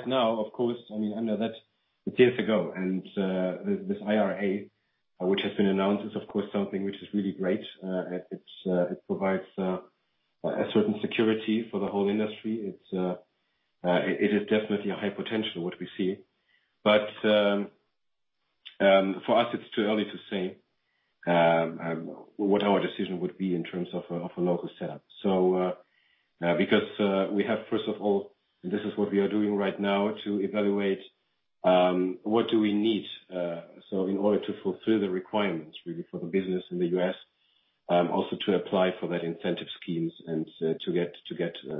Speaker 1: now, of course, I mean, I know that's years ago. This IRA, which has been announced, is of course, something which is really great. It provides a certain security for the whole industry. It is definitely a high potential, what we see. For us, it's too early to say, what our decision would be in terms of a local setup. Because we have, first of all, and this is what we are doing right now to evaluate what we need so in order to fulfill the requirements really for the business in the U.S., also to apply for that incentive schemes and to get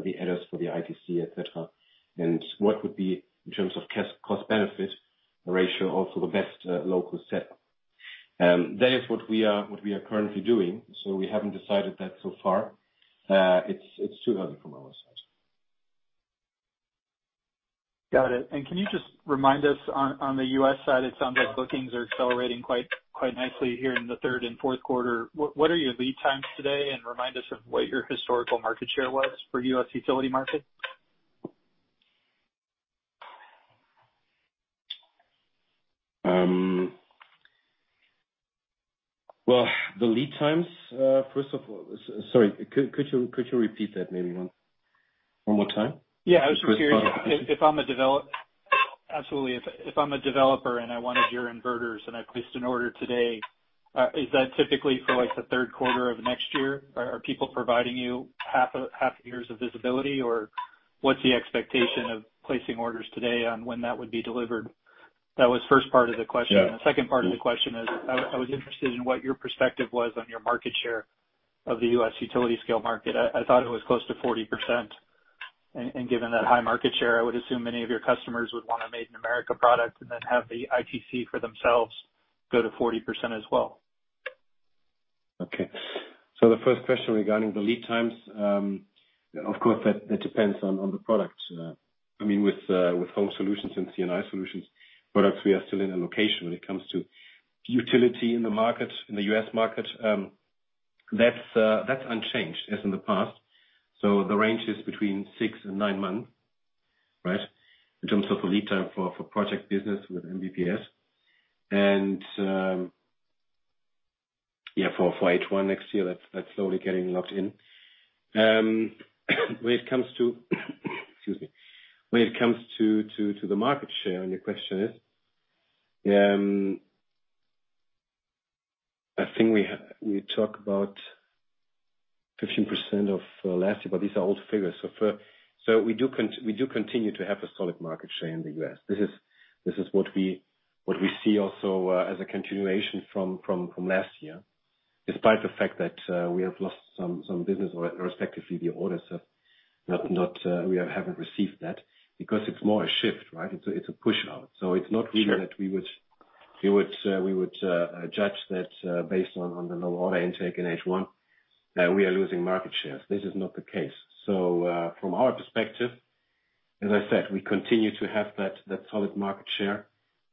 Speaker 1: the adders for the ITC, et cetera. What would be, in terms of cost-benefit ratio, also the best local setup. That is what we are currently doing. We haven't decided that so far. It's too early from our side.
Speaker 8: Got it. Can you just remind us on the U.S. side, it sounds like bookings are accelerating quite nicely here in the third and Q4. What are your lead times today? Remind us of what your historical market share was for the U.S. utility market.
Speaker 1: Well, the lead times, first of all. Sorry, could you repeat that maybe one more time?
Speaker 8: Yeah.
Speaker 1: The first part.
Speaker 8: I was just curious if I'm a develop-
Speaker 1: Yeah.
Speaker 8: Absolutely. If I'm a developer and I wanted your inverters and I placed an order today, is that typically for like the Q3 of next year? Are people providing you half years of visibility? Or what's the expectation of placing orders today on when that would be delivered? That was first part of the question.
Speaker 1: Yeah.
Speaker 8: The second part of the question is, I was interested in what your perspective was on your market share of the U.S. utility-scale market. I thought it was close to 40%. Given that high market share, I would assume many of your customers would want a Made in America product and then have the ITC for themselves go to 40% as well.
Speaker 1: Okay. The first question regarding the lead times, of course, that depends on the product. With Home Solutions and C&I Solutions products, we are still in allocation when it comes to utilization in the market, in the U.S. market. That's unchanged as in the past. The range is between six to nine months, right? In terms of a lead time for project business with EPCs. For H1 next year, that's slowly getting locked in. When it comes to the market share, and your question is, I think we talk about 15% of last year, but these are old figures. We do continue to have a solid market share in the US. This is what we see also as a continuation from last year, despite the fact that we have lost some business or respectively the orders are not, we haven't received that because it's more a shift, right? It's a push out. It's not really-
Speaker 8: Sure.
Speaker 1: That we would judge that, based on the low order intake in H1, that we are losing market shares. This is not the case. From our perspective, as I said, we continue to have that solid market share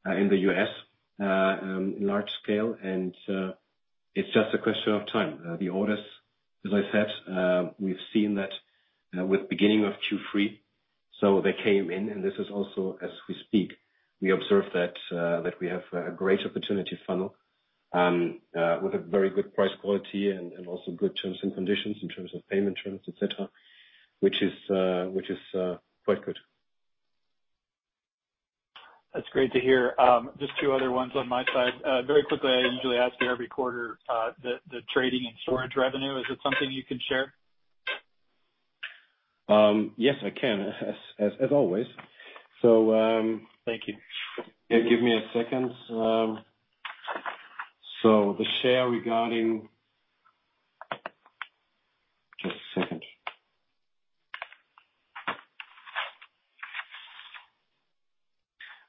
Speaker 1: in the US, in Large Scale. It's just a question of time. The orders, as I said, we've seen that with the beginning of Q3. They came in, and this is also, as we speak, we observe that we have a great opportunity funnel with a very good price quality and also good terms and conditions in terms of payment terms, et cetera, which is quite good.
Speaker 8: That's great to hear. Just two other ones on my side. Very quickly, I usually ask every quarter, the trading and storage revenue. Is that something you can share?
Speaker 1: Yes, I can, as always.
Speaker 8: Thank you.
Speaker 1: Yeah, give me a second. Just a second.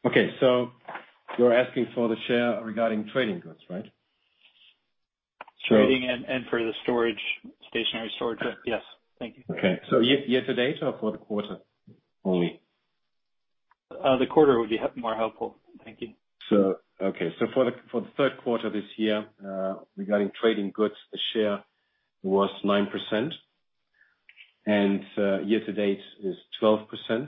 Speaker 1: Okay. You're asking for the share regarding trading goods, right?
Speaker 8: Trading and for the storage, stationary storage. Yes. Thank you.
Speaker 1: Okay. Year-to-date or for the quarter only?
Speaker 8: The quarter would be more helpful. Thank you.
Speaker 1: Okay. For the Q3 this year, regarding trading goods, the share was 9%, and year-to-date is 12%.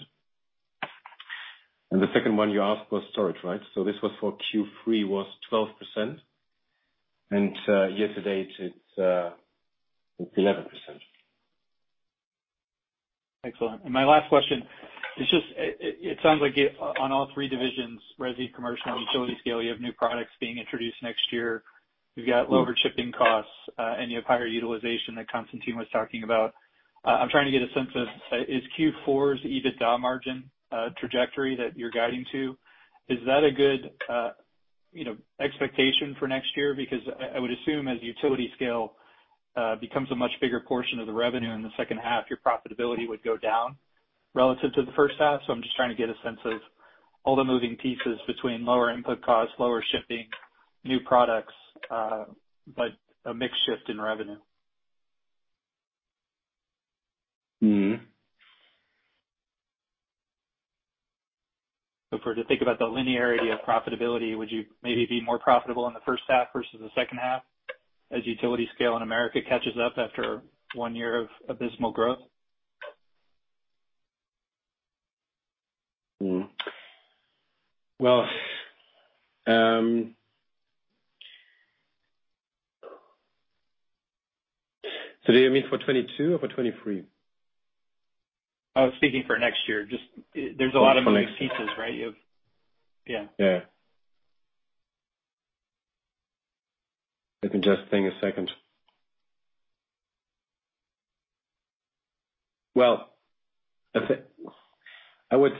Speaker 1: The second one you asked was storage, right? This was for Q3, 12%, and year-to-date, it's 11%.
Speaker 8: Excellent. My last question is just, it sounds like on all three divisions, resi, commercial, and utility scale, you have new products being introduced next year. You've got lower shipping costs, and you have higher utilization that Constantin was talking about. I'm trying to get a sense of, is Q4's EBITDA margin trajectory that you're guiding to, is that a good, you know, expectation for next year? Because I would assume as utility scale becomes a much bigger portion of the revenue in the second half, your profitability would go down relative to the first half. I'm just trying to get a sense of all the moving pieces between lower input costs, lower shipping, new products, but a mix shift in revenue.
Speaker 1: Mm-hmm.
Speaker 8: If we're to think about the linearity of profitability, would you maybe be more profitable in the first half versus the second half as utility scale in America catches up after one year of abysmal growth?
Speaker 1: Mm-hmm. Well, do you mean for 2022 or for 2023?
Speaker 8: I was thinking for next year.
Speaker 1: Oh, for next-
Speaker 8: There's a lot of moving pieces, right? Yeah.
Speaker 1: Yeah. Let me just think a second. Well, that's it. I would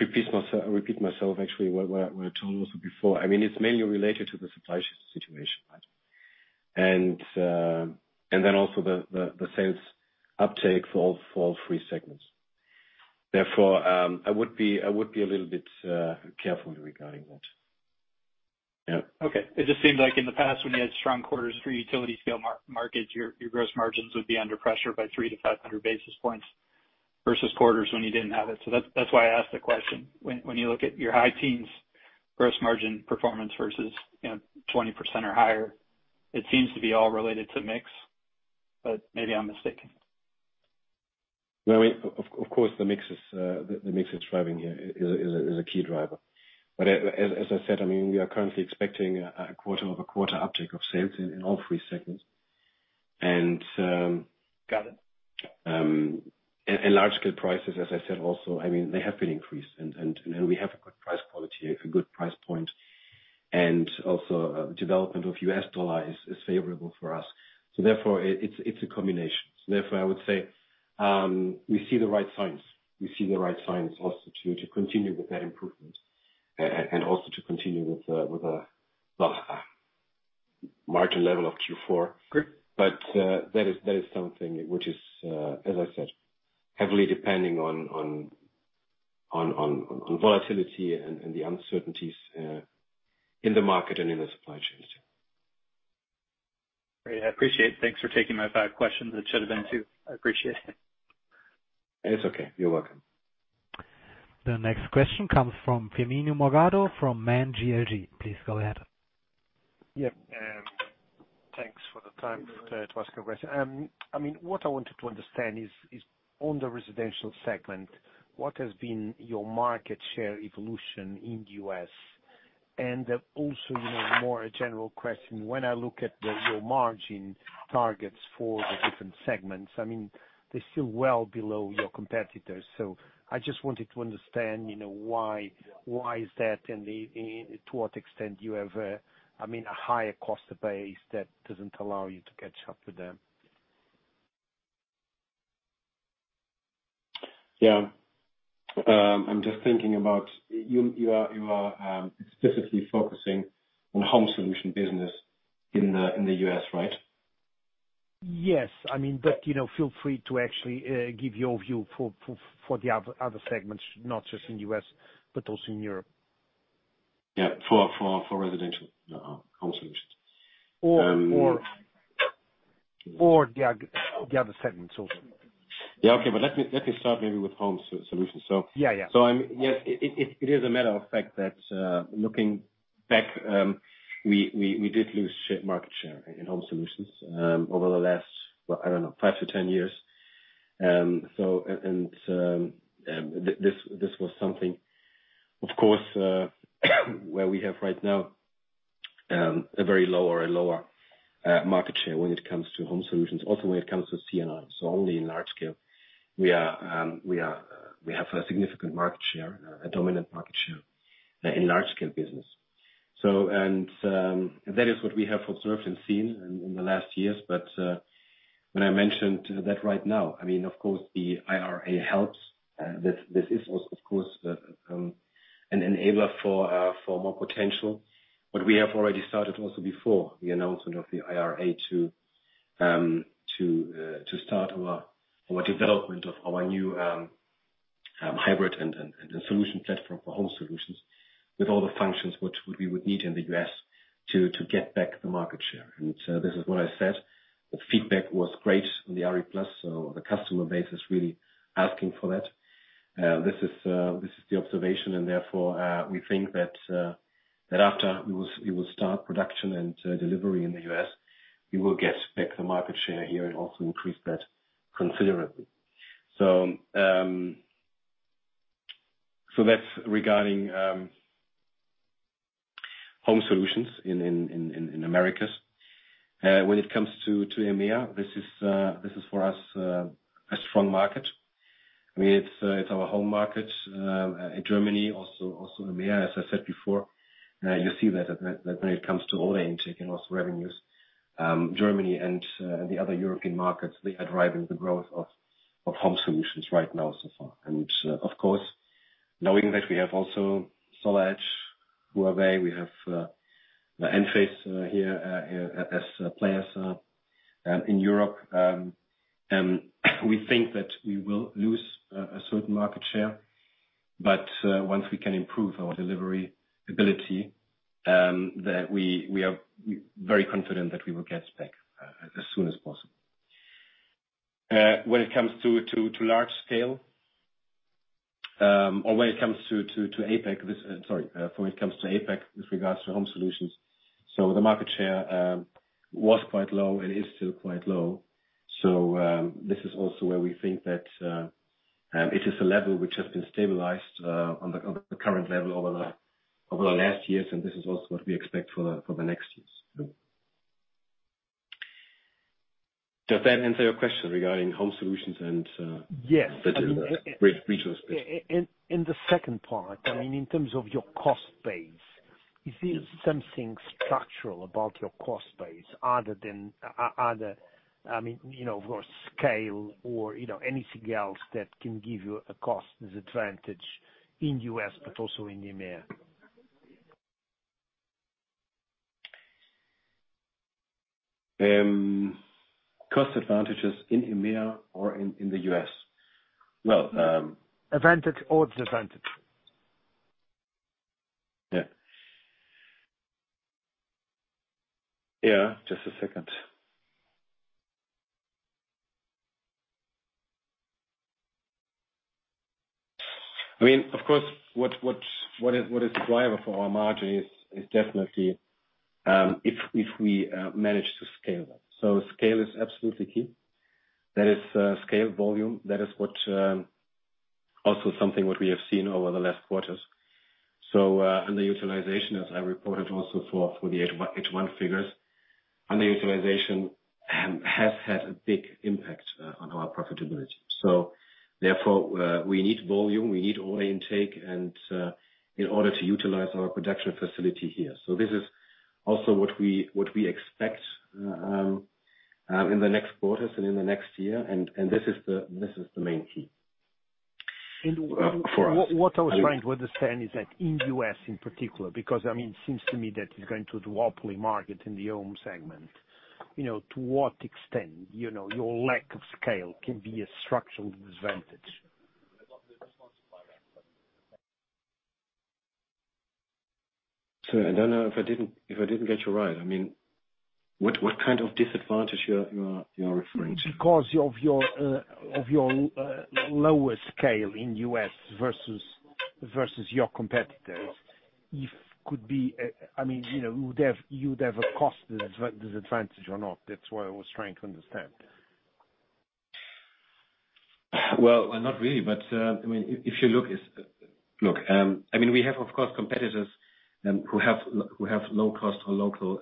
Speaker 1: repeat myself actually what I told also before. I mean, it's mainly related to the supply situation, right? Also, the sales uptake for all four key segments. Therefore, I would be a little bit careful regarding that. Yeah.
Speaker 8: Okay. It just seemed like in the past when you had strong quarters for utility scale market, your gross margins would be under pressure by 300-500 basis points versus quarters when you didn't have it. That's why I asked the question. When you look at your high teens gross margin performance versus, you know, 20% or higher, it seems to be all related to mix. Maybe I'm mistaken.
Speaker 1: No, I mean, of course, the mix is driving here. Is a key driver. As I said, I mean, we are currently expecting a quarter-over-quarter uptick of sales in all three segments.
Speaker 8: Got it.
Speaker 1: Large Scale prices, as I said also, I mean, they have been increased and we have a good price quality, a good price point, and also development of US dollar is favorable for us. It's a combination. I would say we see the right signs. We see the right signs also to continue with that improvement and also to continue with, well, margin level of Q4.
Speaker 8: Great.
Speaker 1: That is something which is, as I said, heavily depending on volatility and the uncertainties in the market and in the supply chains.
Speaker 8: Great. I appreciate it. Thanks for taking my five questions. It should have been two. I appreciate it.
Speaker 1: It's okay. You're welcome.
Speaker 2: The next question comes from Firmino Morgado from Man GLG. Please go ahead.
Speaker 1: Yeah.
Speaker 9: Thanks for the time to ask a question. I mean, what I wanted to understand is on the residential segment, what has been your market share evolution in the US? And also, you know, more a general question, when I look at the, your margin targets for the different segments, I mean, they're still well below your competitors. I just wanted to understand, you know, why is that and to what extent you have a, I mean, a higher-cost base that doesn't allow you to catch up with them.
Speaker 1: Yeah. I'm just thinking about you. You are specifically focusing on Home Solutions business in the U.S., right?
Speaker 8: Yes. I mean, you know, feel free to actually give your view for the other segments, not just in the U.S., but also in Europe.
Speaker 1: Yeah. For residential Home Solutions.
Speaker 8: The other segments also.
Speaker 1: Let me start maybe with Home Solutions.
Speaker 8: Yeah, yeah.
Speaker 1: I mean, yes, it is a matter of fact that, looking back, we did lose market share in Home Solutions over the last, well, I don't know, five to 10 years. This was something of course where we have right now a very low or a lower market share when it comes to Home Solutions. Also, when it comes to C&I. Only in Large Scale we have a significant market share, a dominant market share in Large Scale business. That is what we have observed and seen in the last years. When I mentioned that right now, I mean, of course, the IRA helps. This is also, of course, an enabler for more potential. We have already started also before the announcement of the IRA to start our development of our new hybrid and solution platform for Home Solutions with all the functions which we would need in the U.S. to get back the market share. This is what I said, the feedback was great on the RE+, so the customer base is really asking for that. This is the observation and therefore we think that after we will start production and delivery in the U.S., we will get back the market share here and also increase that considerably. That's regarding Home Solutions in Americas. When it comes to EMEA, this is for us a strong market. I mean, it's our home market in Germany, also EMEA, as I said before. You see that when it comes to order intake and also revenues, Germany and the other European markets, they are driving the growth of Home Solutions right now so far. Of course, knowing that we have also SolarEdge, Huawei, we have Enphase here as players in Europe, we think that we will lose a certain market share. Once we can improve our delivery ability, that we are very confident that we will get back as soon as possible. When it comes to Large Scale or when it comes to APAC with regards to Home Solutions. The market share was quite low and is still quite low. This is also where we think that it is a level which has been stabilized on the current level over the last years, and this is also what we expect for the next years. Does that answer your question regarding Home Solutions and
Speaker 9: Yes.
Speaker 1: The regional space.
Speaker 9: In the second part, I mean, in terms of your cost base, is there something structural about your cost base other than, I mean, you know, of course, scale or, you know, anything else that can give you a cost disadvantage in U.S. but also in EMEA?
Speaker 1: Cost advantages in EMEA or in the U.S.? Well,
Speaker 9: Advantage or disadvantage.
Speaker 1: Yeah, just a second. I mean, of course, what is driver for our margin is definitely if we manage to scale. Scale is absolutely key. That is scale volume. That is what also something what we have seen over the last quarters. Underutilization, as I reported also for the H1 figures, underutilization has had a big impact on our profitability. Therefore, we need volume, we need order intake and in order to utilize our production facility here. This is also what we expect in the next quarters and in the next year. This is the main key.
Speaker 9: And, uh-
Speaker 1: For us.
Speaker 9: What I was trying to understand is that in U.S. in particular, because I mean, it seems to me that you're going through a duopoly market in the home segment, you know, to what extent, you know, your lack of scale can be a structural disadvantage?
Speaker 1: Sorry, I don't know if I didn't get you right. I mean, what kind of disadvantage you are referring to?
Speaker 9: Because of your lower scale in U.S. versus your competitors, it could be, I mean, you know, you'd have a cost disadvantage or not. That's what I was trying to understand.
Speaker 1: Well, not really, but I mean, if you look, I mean, we have, of course, competitors who have low-cost or local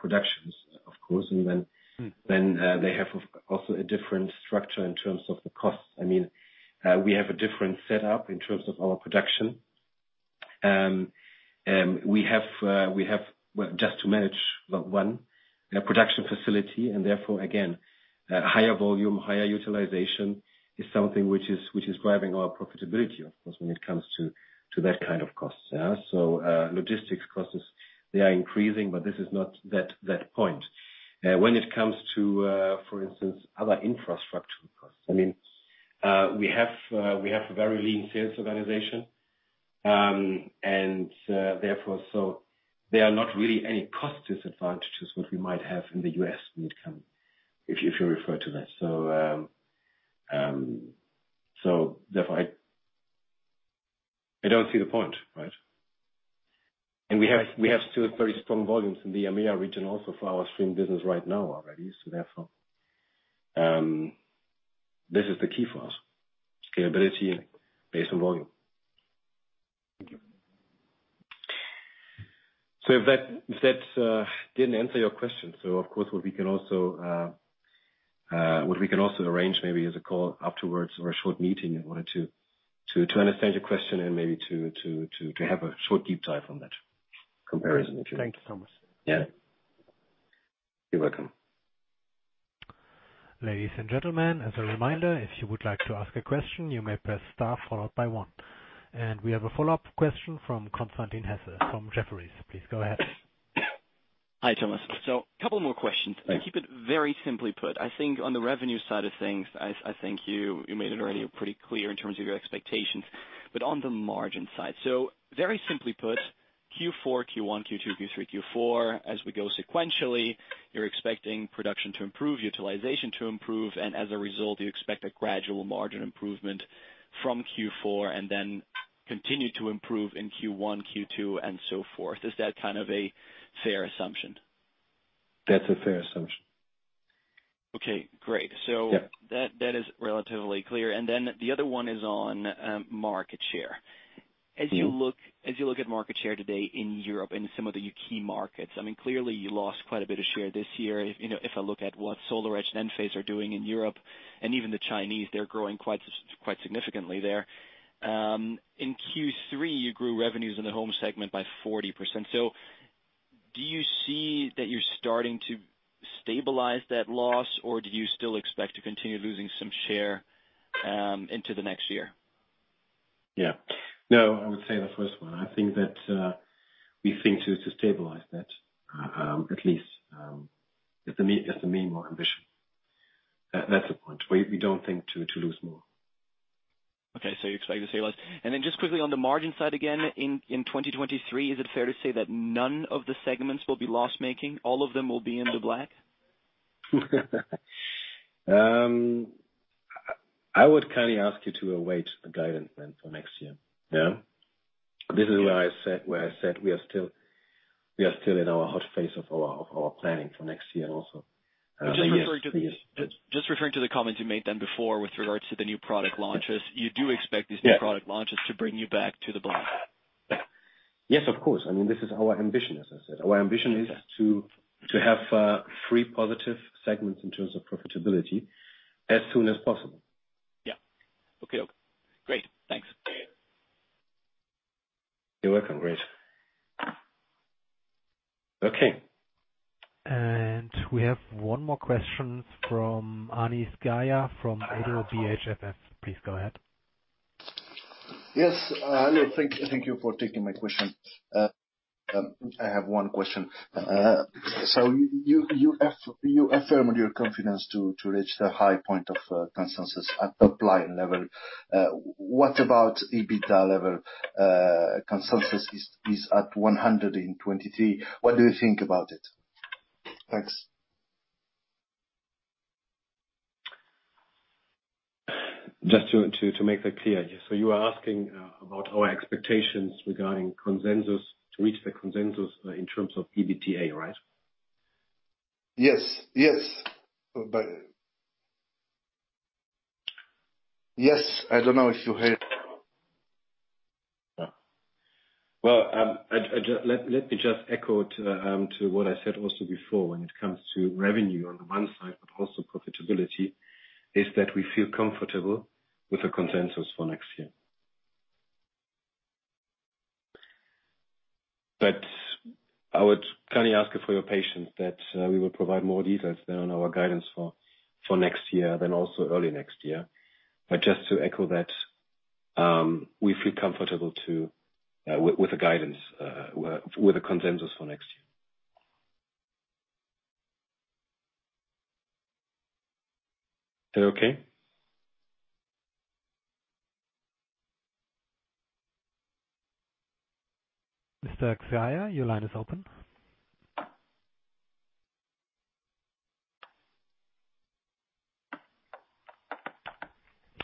Speaker 1: productions, of course. And then.
Speaker 9: Mm.
Speaker 1: They also have a different structure in terms of the costs. I mean, we have a different setup in terms of our production. We have, well, just to manage one production facility and therefore again, higher volume, higher utilization is something which is driving our profitability of course, when it comes to that kind of costs. Yeah. Logistics costs, they are increasing, but this is not that point. When it comes to, for instance, other infrastructure costs, I mean, we have a very lean sales organization, and therefore there are not really any cost disadvantages what we might have in the U.S. if you refer to that. Therefore I don't see the point, right? We have still very strong volumes in the EMEA region also for our string business right now already. Therefore, this is the key for us, scalability based on volume.
Speaker 9: Thank you.
Speaker 1: If that didn't answer your question, so of course what we can also arrange maybe is a call afterwards or a short meeting in order to understand your question and maybe to have a short deep dive on that comparison if you like.
Speaker 9: Thank you, Thomas.
Speaker 1: Yeah. You're welcome.
Speaker 2: Ladies and gentlemen, as a reminder, if you would like to ask a question, you may press star followed by one. We have a follow-up question from Constantin Hesse from Jefferies. Please go ahead.
Speaker 4: Hi, Thomas. A couple more questions.
Speaker 1: Yeah.
Speaker 4: I'll keep it very simply put. I think on the revenue side of things, I think you made it already pretty clear in terms of your expectations. On the margin side, very simply put, Q4, Q1, Q2, Q3, Q4, as we go sequentially, you're expecting production to improve, utilization to improve, and as a result, you expect a gradual margin improvement from Q4 and then continue to improve in Q1, Q2 and so forth. Is that kind of a fair assumption?
Speaker 1: That's a fair assumption.
Speaker 4: Okay, great.
Speaker 1: Yeah.
Speaker 4: That is relatively clear. The other one is on market share.
Speaker 1: Yeah.
Speaker 4: As you look at market share today in Europe in some of your key markets, I mean, clearly you lost quite a bit of share this year. You know, if I look at what SolarEdge and Enphase are doing in Europe and even the Chinese, they're growing quite significantly there. In Q3, you grew revenues in the home segment by 40%. Do you see that you're starting to stabilize that loss, or do you still expect to continue losing some share into the next year?
Speaker 1: Yeah. No, I would say the first one. I think that we think to stabilize that at least is the main motivation. That's the point. We don't think to lose more.
Speaker 4: You expect to stabilize. Then just quickly on the margin side again, in 2023, is it fair to say that none of the segments will be loss-making? All of them will be in the black?
Speaker 1: I would kindly ask you to await the guidance then for next year. Yeah. This is where I said we are still in our hot phase of our planning for next year also.
Speaker 4: Just referring to the.
Speaker 1: Yes, please.
Speaker 4: Just referring to the comments you made then before with regards to the new product launches, you do expect these.
Speaker 1: Yeah.
Speaker 4: New product launches to bring you back to the black?
Speaker 1: Yes, of course. I mean, this is our ambition, as I said. Our ambition is to have three positive segments in terms of profitability as soon as possible.
Speaker 4: Yeah. Okay. Great. Thanks.
Speaker 1: You're welcome. Great. Okay.
Speaker 2: We have one more question from Anis Zgaya from ODDO BHF. Please go ahead.
Speaker 10: Yes, hello. Thank you for taking my question. I have one question. You affirmed your confidence to reach the high point of consensus at top-line level. What about EBITDA level? Consensus is at 100 in 2023. What do you think about it? Thanks.
Speaker 1: Just to make that clear. You are asking about our expectations regarding consensus to reach the consensus in terms of EBITDA, right?
Speaker 10: Yes. I don't know if you heard.
Speaker 1: Let me just echo what I said also before when it comes to revenue on the one side, but also profitability, is that we feel comfortable with the consensus for next year. I would kindly ask for your patience that we will provide more details on our guidance for next year and also early next year. Just to echo that, we feel comfortable with the guidance with the consensus for next year. Is that okay?
Speaker 2: Mr. Zgaya, your line is open.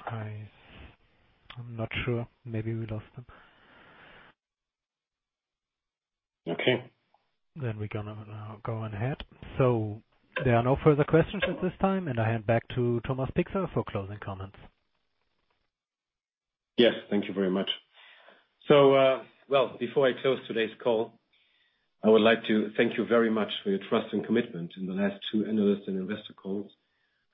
Speaker 2: I am not sure. Maybe we lost him.
Speaker 1: Okay.
Speaker 2: We're gonna now go on ahead. There are no further questions at this time, and I hand back to Thomas Pixa for closing comments.
Speaker 1: Yes. Thank you very much. Before I close today's call, I would like to thank you very much for your trust and commitment in the last two analyst and investor calls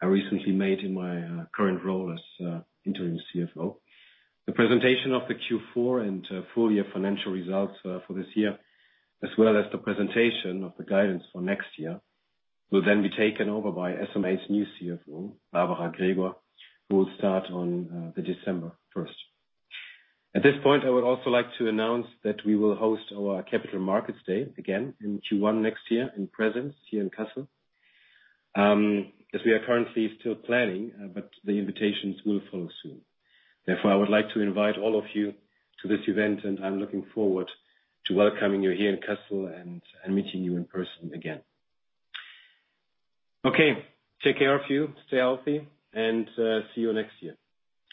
Speaker 1: I recently made in my current role as interim CFO. The presentation of the Q4 and full year financial results for this year, as well as the presentation of the guidance for next year, will then be taken over by SMA's new CFO, Barbara Gregor, who will start on December 1. At this point, I would also like to announce that we will host our Capital Markets Day again in Q1 next year in presence here in Kassel, as we are currently still planning, but the invitations will follow soon. Therefore, I would like to invite all of you to this event, and I'm looking forward to welcoming you here in Kassel and meeting you in person again. Okay, take care of you, stay healthy, and see you next year.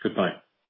Speaker 1: Goodbye.